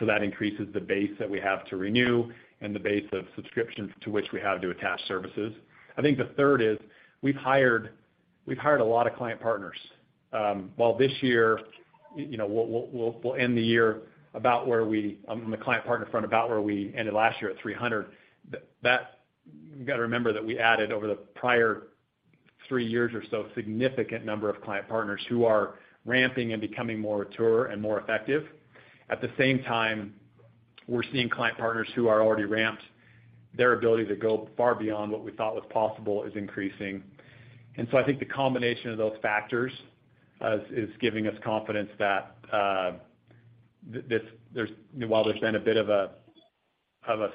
That increases the base that we have to renew and the base of subscriptions to which we have to attach services. I think the third is we've hired a lot of client partners. While this year, you know, we'll end the year where we, on the client partner front, about where we ended last year at 300. That, you gotta remember that we added over the prior 3 years or so, a significant number of client partners who are ramping and becoming more mature and more effective. At the same time, we're seeing client partners who are already ramped, their ability to go far beyond what we thought was possible is increasing. I think the combination of those factors is giving us confidence that while there's been a bit of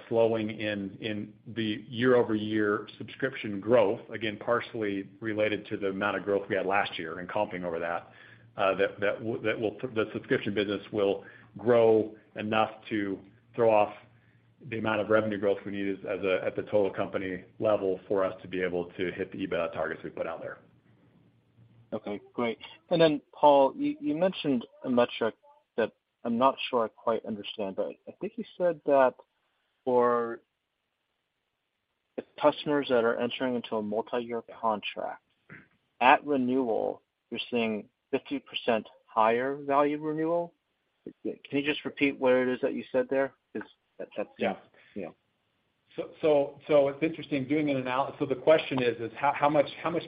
slowing in the year-over-year subscription growth, again, partially related to the amount of growth we had last year and comping over that, subscription business will grow enough to throw off the amount of revenue growth we need at the total company level for us to be able to hit the EBITDA targets we put out there. Okay, great. Paul, you mentioned a metric that I'm not sure I quite understand, but I think you said that for the customers that are entering into a multiyear contract, at renewal, you're seeing 50% higher value renewal. Can you just repeat what it is that you said there? Because that's. Yeah. Yeah. It's interesting doing an analysis. The question is how much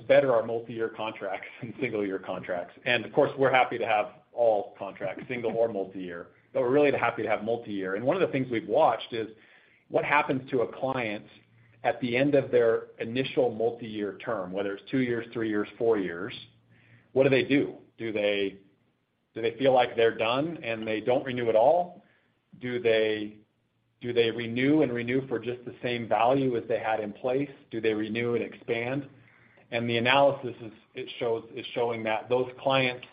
better are multiyear contracts than single year contracts? Of course, we're happy to have all contracts, single or multiyear, but we're really happy to have multiyear. One of the things we've watched is what happens to a client at the end of their initial multiyear term, whether it's two years, three years, four years, what do they do? Do they feel like they're done and they don't renew at all? Do they renew and renew for just the same value as they had in place? Do they renew and expand? The analysis is showing that those clients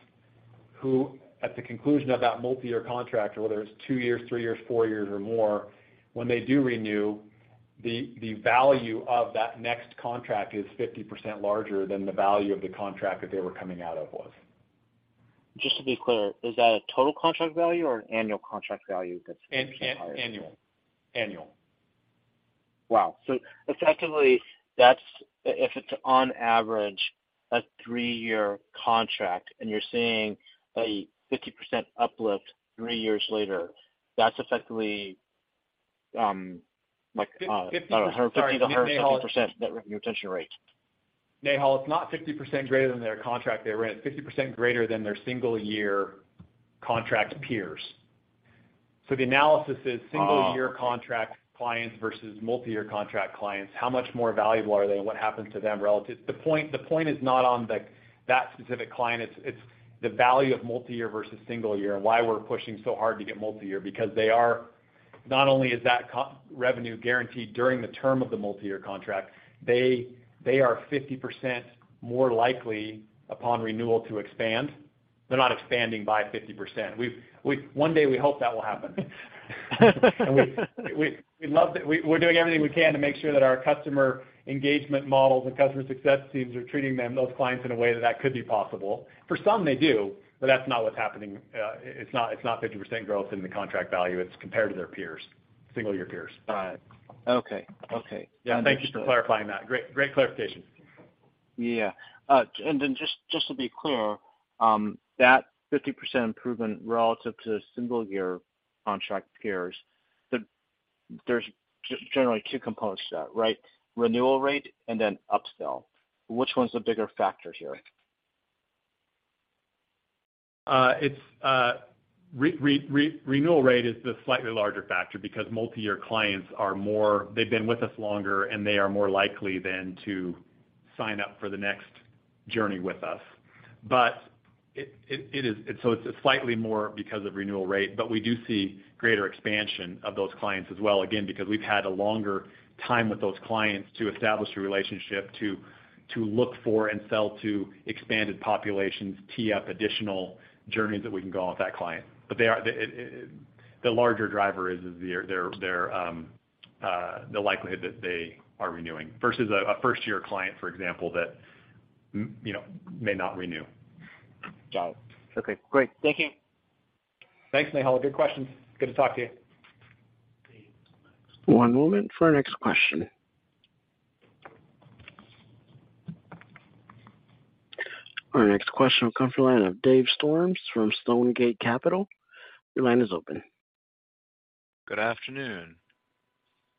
who, at the conclusion of that multiyear contract, whether it's 2 years, 3 years, 4 years or more, when they do renew, the value of that next contract is 50% larger than the value of the contract that they were coming out of was. Just to be clear, is that a total contract value or an annual contract value that's? Annual. Wow! Effectively, that's, if it's on average, a 3-year contract, and you're seeing a 50% uplift 3 years later, that's effectively, like, 50% net retention rate. Nihal, it's not 50% greater than their contract they were in, 50% greater than their single year contract peers. The analysis is single year contract clients versus multiyear contract clients. How much more valuable are they and what happens to them? The point is not on the, that specific client. It's the value of multiyear versus single year, and why we're pushing so hard to get multiyear, because they are, not only is that co- revenue guaranteed during the term of the multiyear contract, they are 50% more likely upon renewal to expand. They're not expanding by 50%. We've One day, we hope that will happen. We'd love to... We're doing everything we can to make sure that our customer engagement models and customer success teams are treating them, those clients, in a way that could be possible. For some, they do, but that's not what's happening. It's not 50% growth in the contract value. It's compared to their peers, single year peers. Got it. Okay. Okay. Yeah, thank you for clarifying that. Great, great clarification. Yeah. Just, just to be clear, that 50% improvement relative to single year contract peers, there's generally two components to that, right? Renewal rate and then upsell. Which one's the bigger factor here? It's renewal rate is the slightly larger factor because multiyear clients are more, they've been with us longer, and they are more likely then to sign up for the next journey with us. It is, so it's slightly more because of renewal rate, but we do see greater expansion of those clients as well, again, because we've had a longer time with those clients to establish a relationship, to look for and sell to expanded populations, tee up additional journeys that we can go on with that client. They are, the larger driver is their likelihood that they are renewing versus a first-year client, for example, that, you know, may not renew. Got it. Okay, great. Thank you. Thanks, Nihal. Good questions. Good to talk to you. One moment for our next question. Our next question will come from the line of Dave Storms from Stonegate Capital. Your line is open. Good afternoon.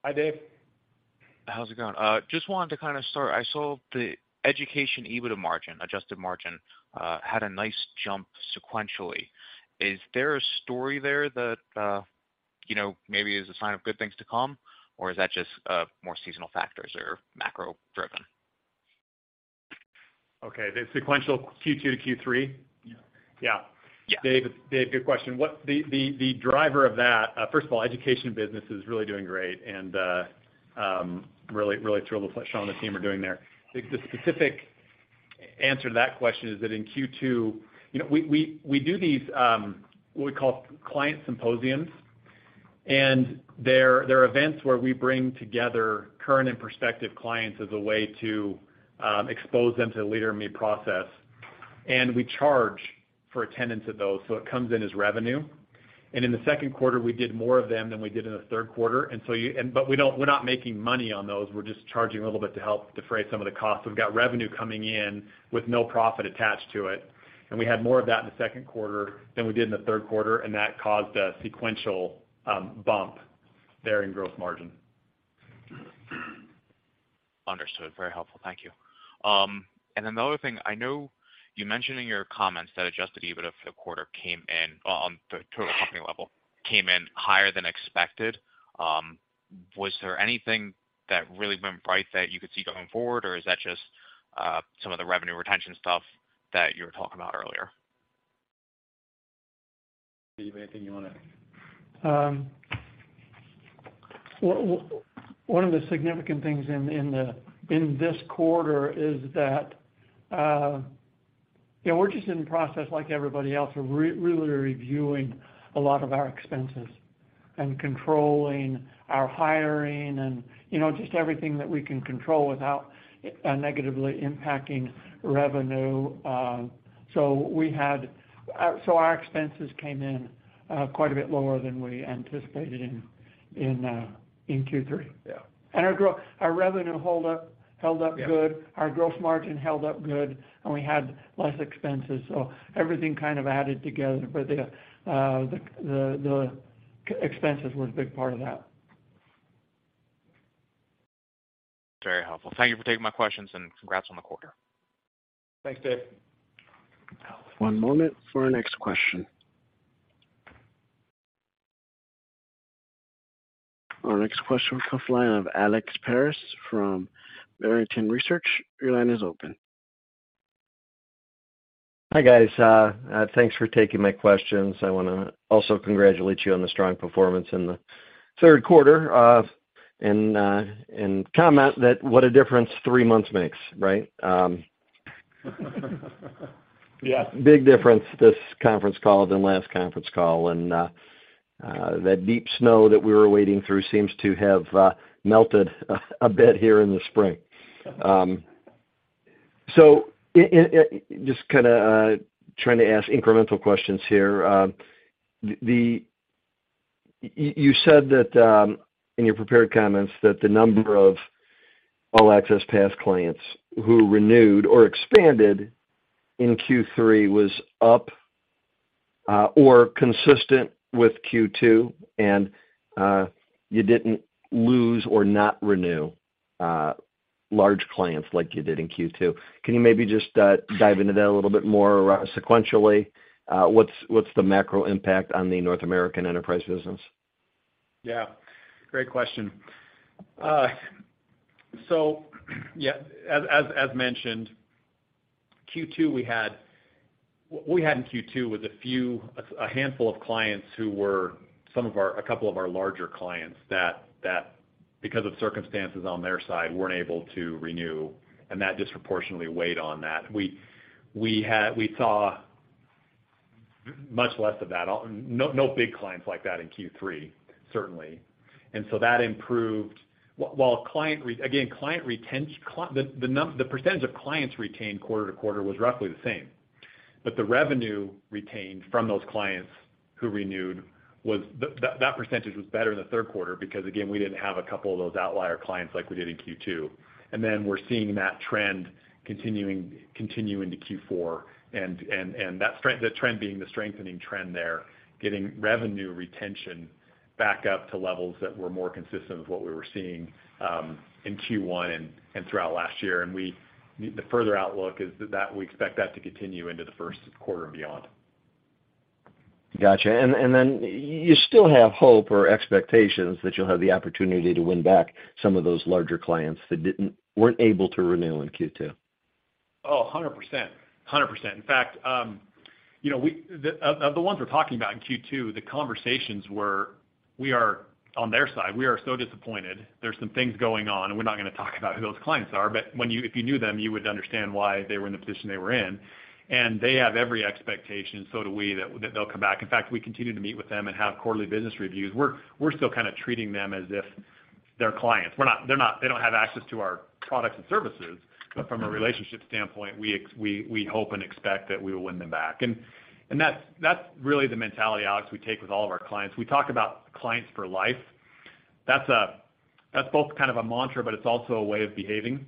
Hi, Dave. How's it going? Just wanted to kind of start, I saw the education EBITDA margin, adjusted margin, had a nice jump sequentially. Is there a story there that, you know, maybe is a sign of good things to come, or is that just more seasonal factors or macro driven? Okay, the sequential Q2 to Q3? Yeah. Yeah. Yeah. Dave, good question. The driver of that, first of all, education business is really doing great, and really thrilled with what Sean and the team are doing there. The specific answer to that question is that in Q2, you know, we do these what we call client symposiums, and they're events where we bring together current and prospective clients as a way to expose them to the Leader in Me process, and we charge for attendance of those, so it comes in as revenue. In the second quarter, we did more of them than we did in the third quarter, we're not making money on those, we're just charging a little bit to help defray some of the costs. We've got revenue coming in with no profit attached to it, and we had more of that in the second quarter than we did in the third quarter, and that caused a sequential, bump there in gross margin. Understood. Very helpful. Thank you. Another thing, I know you mentioned in your comments that adjusted EBITDA for the quarter came in, on the total company level, came in higher than expected. Was there anything that really been right that you could see going forward, or is that just some of the revenue retention stuff that you were talking about earlier? Dave, anything you wanna? One of the significant things in the, in this quarter is that, you know, we're just in the process like everybody else, of really reviewing a lot of our expenses and controlling our hiring and, you know, just everything that we can control without negatively impacting revenue. Our expenses came in quite a bit lower than we anticipated in Q3. Yeah. Our revenue held up good. Yeah. Our growth margin held up good, we had less expenses, so everything kind of added together. The expenses was a big part of that. Very helpful. Thank you for taking my questions. Congrats on the quarter. Thanks, Dave. One moment for our next question. Our next question is from the line of Alex Paris from Barrington Research. Your line is open. Hi, guys. thanks for taking my questions. I wanna also congratulate you on the strong performance in the third quarter, and comment that what a difference three months makes, right? Yeah. Big difference this conference call than last conference call, that deep snow that we were wading through seems to have melted a bit here in the spring. Just kinda trying to ask incremental questions here. You said that in your prepared comments, that the number of All Access Pass clients who renewed or expanded in Q3 was up or consistent with Q2, you didn't lose or not renew large clients like you did in Q2. Can you maybe just dive into that a little bit more sequentially? What's the macro impact on the North American enterprise business? Great question. As mentioned, Q2, we had in Q2, was a few, a handful of clients who were a couple of our larger clients that, because of circumstances on their side, weren't able to renew, and that disproportionately weighed on that. We saw much less of that. No, no big clients like that in Q3, certainly. That improved. While again, the percentage of clients retained quarter to quarter was roughly the same, but the revenue retained from those clients who renewed was, that percentage was better in the third quarter. Again, we didn't have a couple of those outlier clients like we did in Q2. Then we're seeing that trend continuing into Q4, and that strength, the trend being the strengthening trend there, getting revenue retention back up to levels that were more consistent with what we were seeing, in Q1 and throughout last year. We, the further outlook is that we expect that to continue into the first quarter and beyond. Gotcha. You still have hope or expectations that you'll have the opportunity to win back some of those larger clients that weren't able to renew in Q2? Oh, 100%. 100%. In fact, you know, the ones we're talking about in Q2, the conversations were: We are, on their side, we are so disappointed. There's some things going on, and we're not gonna talk about who those clients are, but if you knew them, you would understand why they were in the position they were in. They have every expectation, so do we, that they'll come back. In fact, we continue to meet with them and have quarterly business reviews. We're still kind of treating them as if they're clients. They don't have access to our products and services, but from a relationship standpoint, we hope and expect that we will win them back. That's really the mentality, Alex, we take with all of our clients. We talk about clients for life. That's both kind of a mantra, but it's also a way of behaving.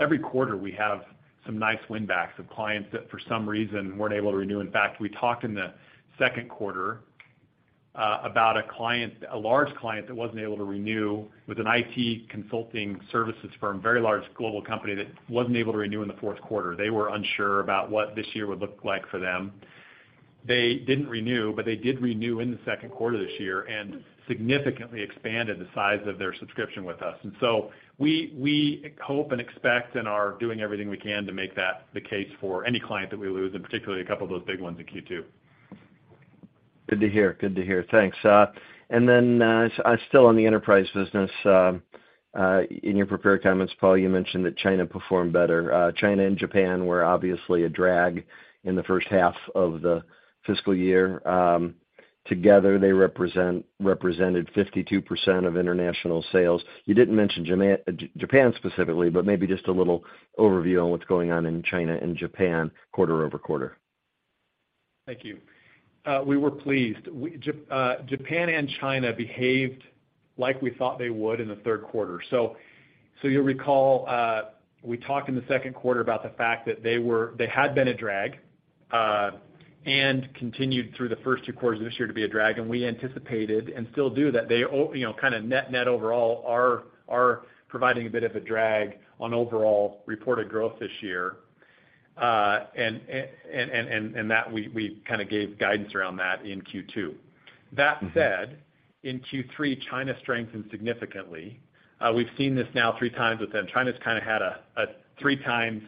Every quarter, we have some nice win backs of clients that for some reason weren't able to renew. In fact, we talked in the second quarter about a client, a large client, that wasn't able to renew, with an IT consulting services firm, very large global company, that wasn't able to renew in the fourth quarter. They were unsure about what this year would look like for them. They didn't renew, but they did renew in the second quarter this year and significantly expanded the size of their subscription with us. We, we hope and expect and are doing everything we can to make that the case for any client that we lose, and particularly a couple of those big ones in Q2. Good to hear. Good to hear. Thanks. Still on the enterprise business, in your prepared comments, Paul, you mentioned that China performed better. China and Japan were obviously a drag in the first half of the fiscal year. Together, they represented 52% of international sales. You didn't mention Japan specifically, maybe just a little overview on what's going on in China and Japan quarter-over-quarter. Thank you. We were pleased. Japan and China behaved like we thought they would in the third quarter. You'll recall, we talked in the second quarter about the fact that they had been a drag and continued through the first 2 quarters of this year to be a drag. We anticipated, and still do, that they, you know, kind of net overall are providing a bit of a drag on overall reported growth this year. That we kind of gave guidance around that in Q2. That said, in Q3, China strengthened significantly. We've seen this now 3 times with them. China's kind of had a 3 times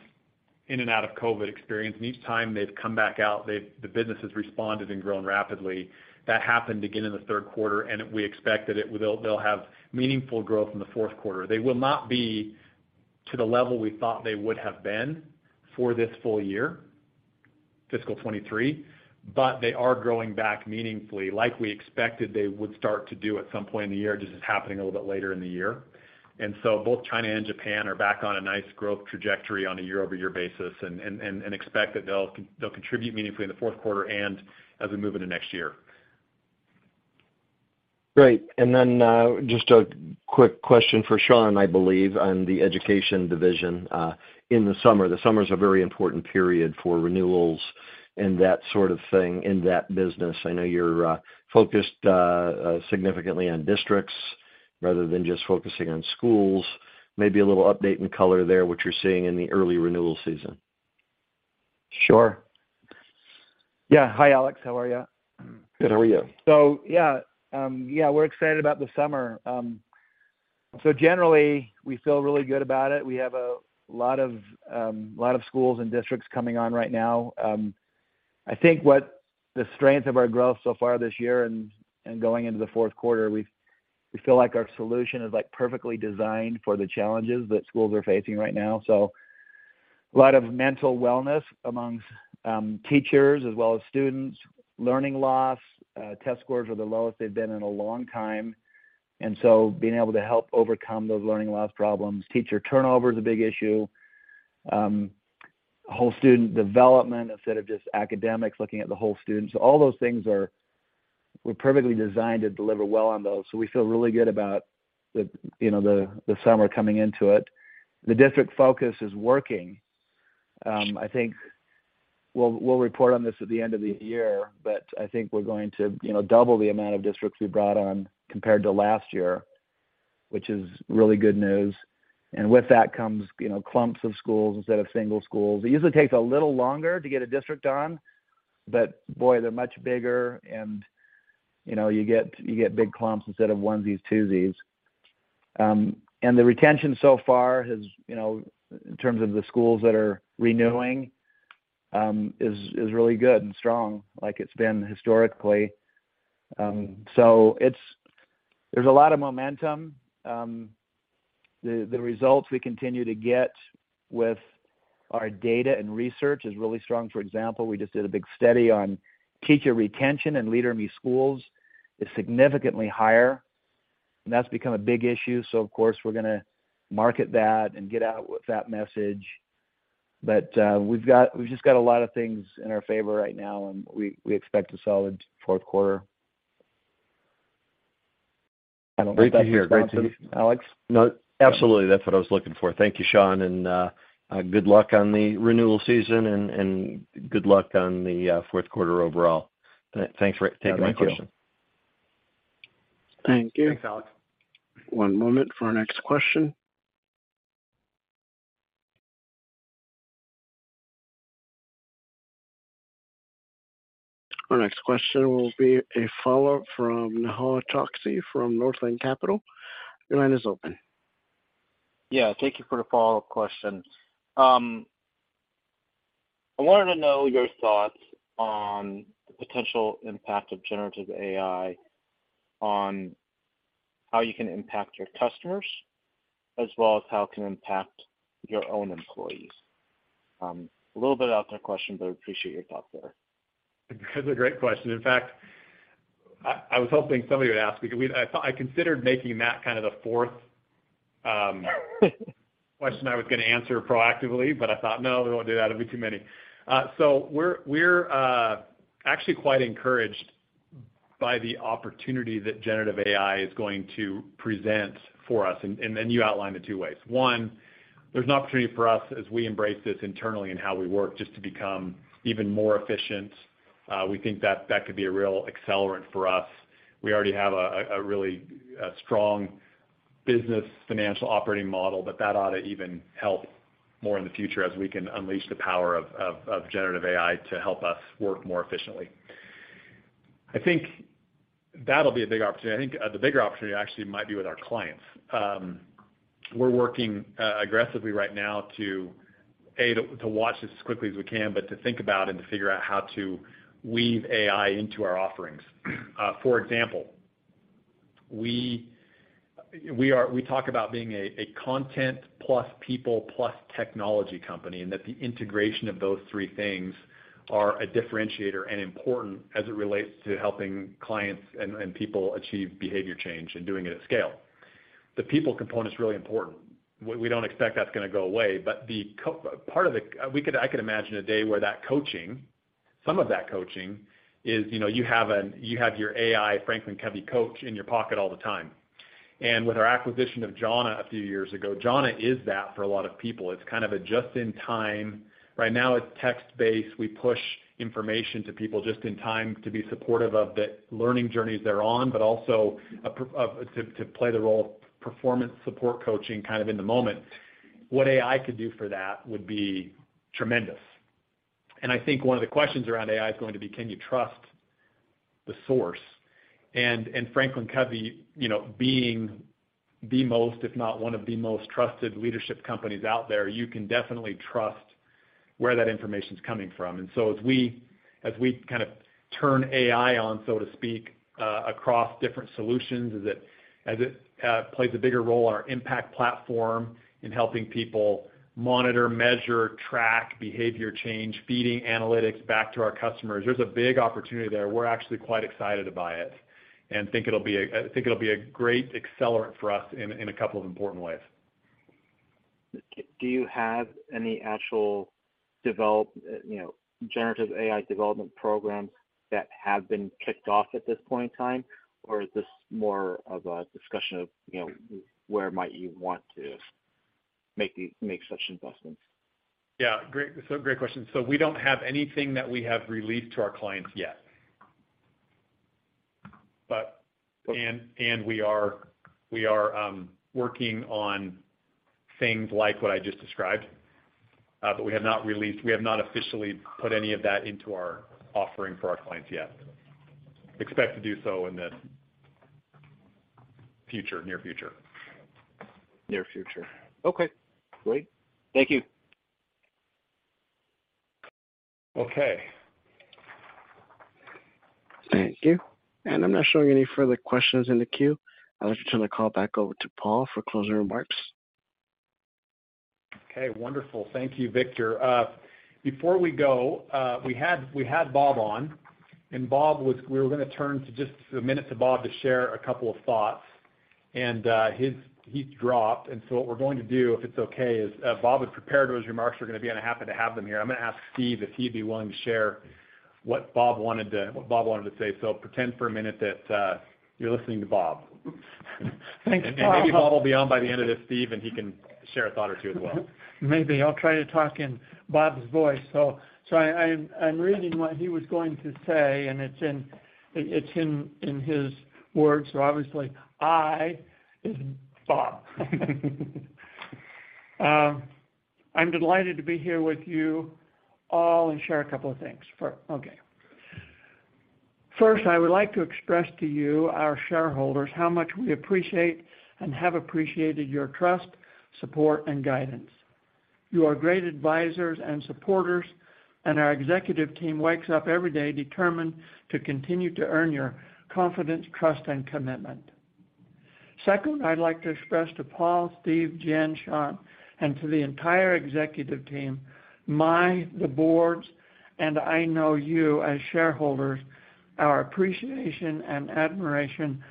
in and out of COVID experience, and each time they've come back out, the business has responded and grown rapidly. That happened again in the third quarter, and we expect that they'll have meaningful growth in the fourth quarter. They will not be to the level we thought they would have been for this full year, fiscal 2023, but they are growing back meaningfully like we expected they would start to do at some point in the year. This is happening a little bit later in the year. Both China and Japan are back on a nice growth trajectory on a year-over-year basis, and expect that they'll contribute meaningfully in the fourth quarter and as we move into next year. Great. Then, just a quick question for Sean, I believe, on the Education Division, in the summer. The summer is a very important period for renewals and that sort of thing in that business. I know you're focused significantly on districts rather than just focusing on schools. Maybe a little update and color there, what you're seeing in the early renewal season. Sure. Yeah. Hi, Alex. How are you? Good, how are you? Yeah, we're excited about the summer. Generally, we feel really good about it. We have a lot of schools and districts coming on right now. I think what the strength of our growth so far this year and going into the fourth quarter, we feel like our solution is, like, perfectly designed for the challenges that schools are facing right now. A lot of mental wellness amongst teachers as well as students, learning loss, test scores are the lowest they've been in a long time. Being able to help overcome those learning loss problems, teacher turnover is a big issue, whole student development instead of just academics, looking at the whole student. All those things are. We're perfectly designed to deliver well on those. We feel really good about the, you know, the summer coming into it. The district focus is working. I think we'll report on this at the end of the year, but I think we're going to, you know, double the amount of districts we brought on compared to last year, which is really good news. With that comes, you know, clumps of schools instead of single schools. It usually takes a little longer to get a district on, but boy, they're much bigger and, you know, you get big clumps instead of onesies, twosies. The retention so far has, you know, in terms of the schools that are renewing, is really good and strong, like it's been historically. There's a lot of momentum. The results we continue to get with our data and research is really strong. For example, we just did a big study on teacher retention, and Leader in Me schools is significantly higher, and that's become a big issue. Of course, we're gonna market that and get out with that message. We've just got a lot of things in our favor right now, and we expect a solid fourth quarter. Great to hear. Great to hear. Alex? No, absolutely. That's what I was looking for. Thank you, Sean, and good luck on the renewal season and good luck on the fourth quarter overall. Thanks for taking my question. Thank you. Thanks, Alex. Thank you. One moment for our next question. Our next question will be a follow-up from Nihal Chokshi from Northland Capital. Your line is open. Yeah, thank you for the follow-up question. I wanted to know your thoughts on the potential impact of generative AI, on how you can impact your customers, as well as how it can impact your own employees. A little bit out there question, but I appreciate your thoughts there. That's a great question. In fact, I was hoping somebody would ask, because I thought, I considered making that kind of the fourth question I was gonna answer proactively, but I thought, "No, we won't do that. It'll be too many." We're actually quite encouraged by the opportunity that generative AI is going to present for us. You outlined the two ways. One, there's an opportunity for us as we embrace this internally in how we work, just to become even more efficient. We think that that could be a real accelerant for us. We already have a really strong business, financial operating model, but that ought to even help more in the future as we can unleash the power of generative AI to help us work more efficiently. I think that'll be a big opportunity. I think the bigger opportunity actually might be with our clients. We're working aggressively right now to watch this as quickly as we can, but to think about and to figure out how to weave AI into our offerings. For example, we talk about being a content plus people plus technology company, and that the integration of those three things are a differentiator and important as it relates to helping clients and people achieve behavior change and doing it at scale. The people component is really important. We don't expect that's gonna go away, but I could imagine a day where that coaching, some of that coaching is, you know, you have your AI FranklinCovey coach in your pocket all the time. With our acquisition of Jhana a few years ago, Jhana is that for a lot of people. It's kind of a just-in-time. Right now, it's text-based. We push information to people just in time to be supportive of the learning journeys they're on, but also, to play the role of performance support coaching kind of in the moment. What AI could do for that would be tremendous. I think one of the questions around AI is going to be: Can you trust the source? FranklinCovey, you know, being the most, if not one of the most trusted leadership companies out there, you can definitely trust where that information is coming from. As we kind of turn AI on, so to speak, across different solutions, as it plays a bigger role in our Impact Platform in helping people monitor, measure, track behavior change, feeding analytics back to our customers, there's a big opportunity there. We're actually quite excited about it and think it'll be a great accelerant for us in a couple of important ways. Do you have any actual, you know, generative AI development programs that have been kicked off at this point in time? Or is this more of a discussion of, you know, where might you want to make such investments? Yeah, great. Great question. We don't have anything that we have released to our clients yet. We are working on things like what I just described, but we have not officially put any of that into our offering for our clients yet. Expect to do so in the future, near future. Near future. Okay, great. Thank you. Okay. Thank you. I'm not showing any further questions in the queue. I'll just turn the call back over to Paul for closing remarks. Okay, wonderful. Thank you, Victor. Before we go, we had, we had Bob on, we were gonna turn to just a minute to Bob to share a couple of thoughts, his, he's dropped. What we're going to do, if it's okay, is, Bob had prepared those remarks are gonna be, I happen to have them here. I'm gonna ask Steve if he'd be willing to share what Bob wanted to say. Pretend for a minute that you're listening to Bob. Thanks, Paul. Maybe Bob will be on by the end of this, Steve, and he can share a thought or two as well. Maybe. I'll try to talk in Bob's voice. I'm reading what he was going to say, and it's in his words, obviously, I is Bob. I'm delighted to be here with you all and share a couple of things. First, I would like to express to you, our shareholders, how much we appreciate and have appreciated your trust, support, and guidance. You are great advisors and supporters, our executive team wakes up every day determined to continue to earn your confidence, trust, and commitment. Second, I'd like to express to Paul, Steve, Jen, Sean, and to the entire executive team, my, the board's, and I know you as shareholders, our appreciation and admiration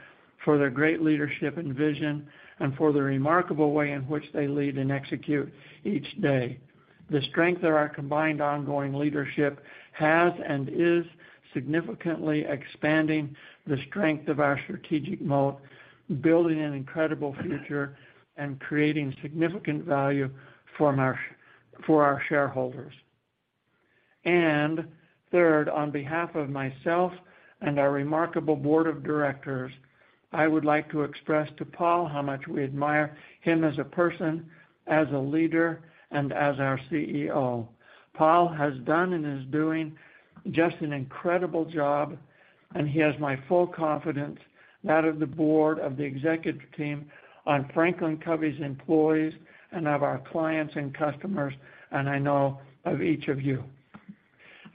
for their great leadership and vision, and for the remarkable way in which they lead and execute each day. The strength of our combined ongoing leadership has and is significantly expanding the strength of our strategic mode, building an incredible future, and creating significant value for our shareholders. Third, on behalf of myself and our remarkable board of directors, I would like to express to Paul how much we admire him as a person, as a leader, and as our CEO. Paul has done and is doing just an incredible job, and he has my full confidence, that of the board, of the executive team, on FranklinCovey's employees, and of our clients and customers, and I know of each of you.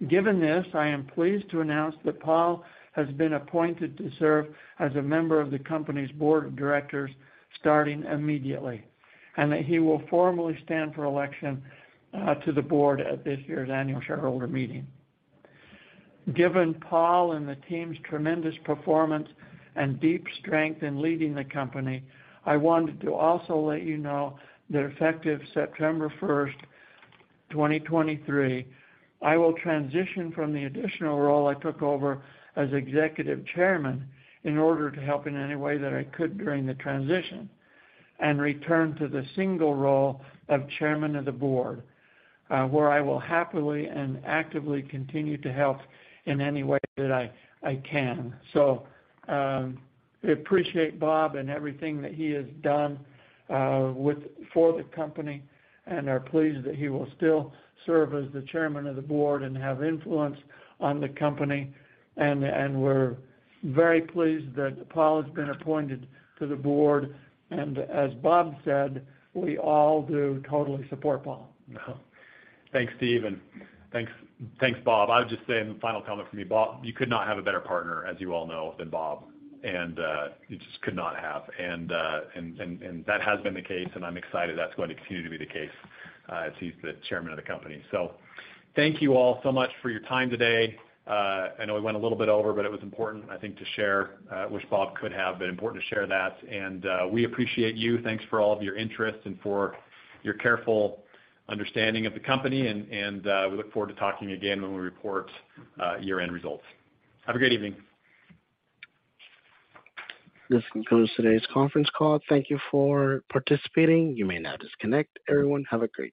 Given this, I am pleased to announce that Paul has been appointed to serve as a member of the company's board of directors starting immediately, and that he will formally stand for election to the board at this year's annual shareholder meeting. Given Paul and the team's tremendous performance and deep strength in leading the company, I wanted to also let you know that effective September 1, 2023, I will transition from the additional role I took over as Executive Chairman in order to help in any way that I could during the transition, and return to the single role of Chairman of the Board, where I will happily and actively continue to help in any way that I can. We appreciate Bob and everything that he has done for the company and are pleased that he will still serve as the Chairman of the Board and have influence on the company. We're very pleased that Paul has been appointed to the board, and as Bob said, we all do totally support Paul. Thanks, Steve, and thanks, Bob. I would just say, the final comment from me, Bob, you could not have a better partner, as you all know, than Bob, and you just could not have. That has been the case, and I'm excited that's going to continue to be the case, as he's the chairman of the company. Thank you all so much for your time today. I know we went a little bit over, but it was important, I think, to share, which Bob could have, but important to share that. We appreciate you. Thanks for all of your interest and for your careful understanding of the company, and, uh, we look forward to talking again when we report year-end results. Have a great evening. This concludes today's conference call. Thank you for participating. You may now disconnect. Everyone, have a great day.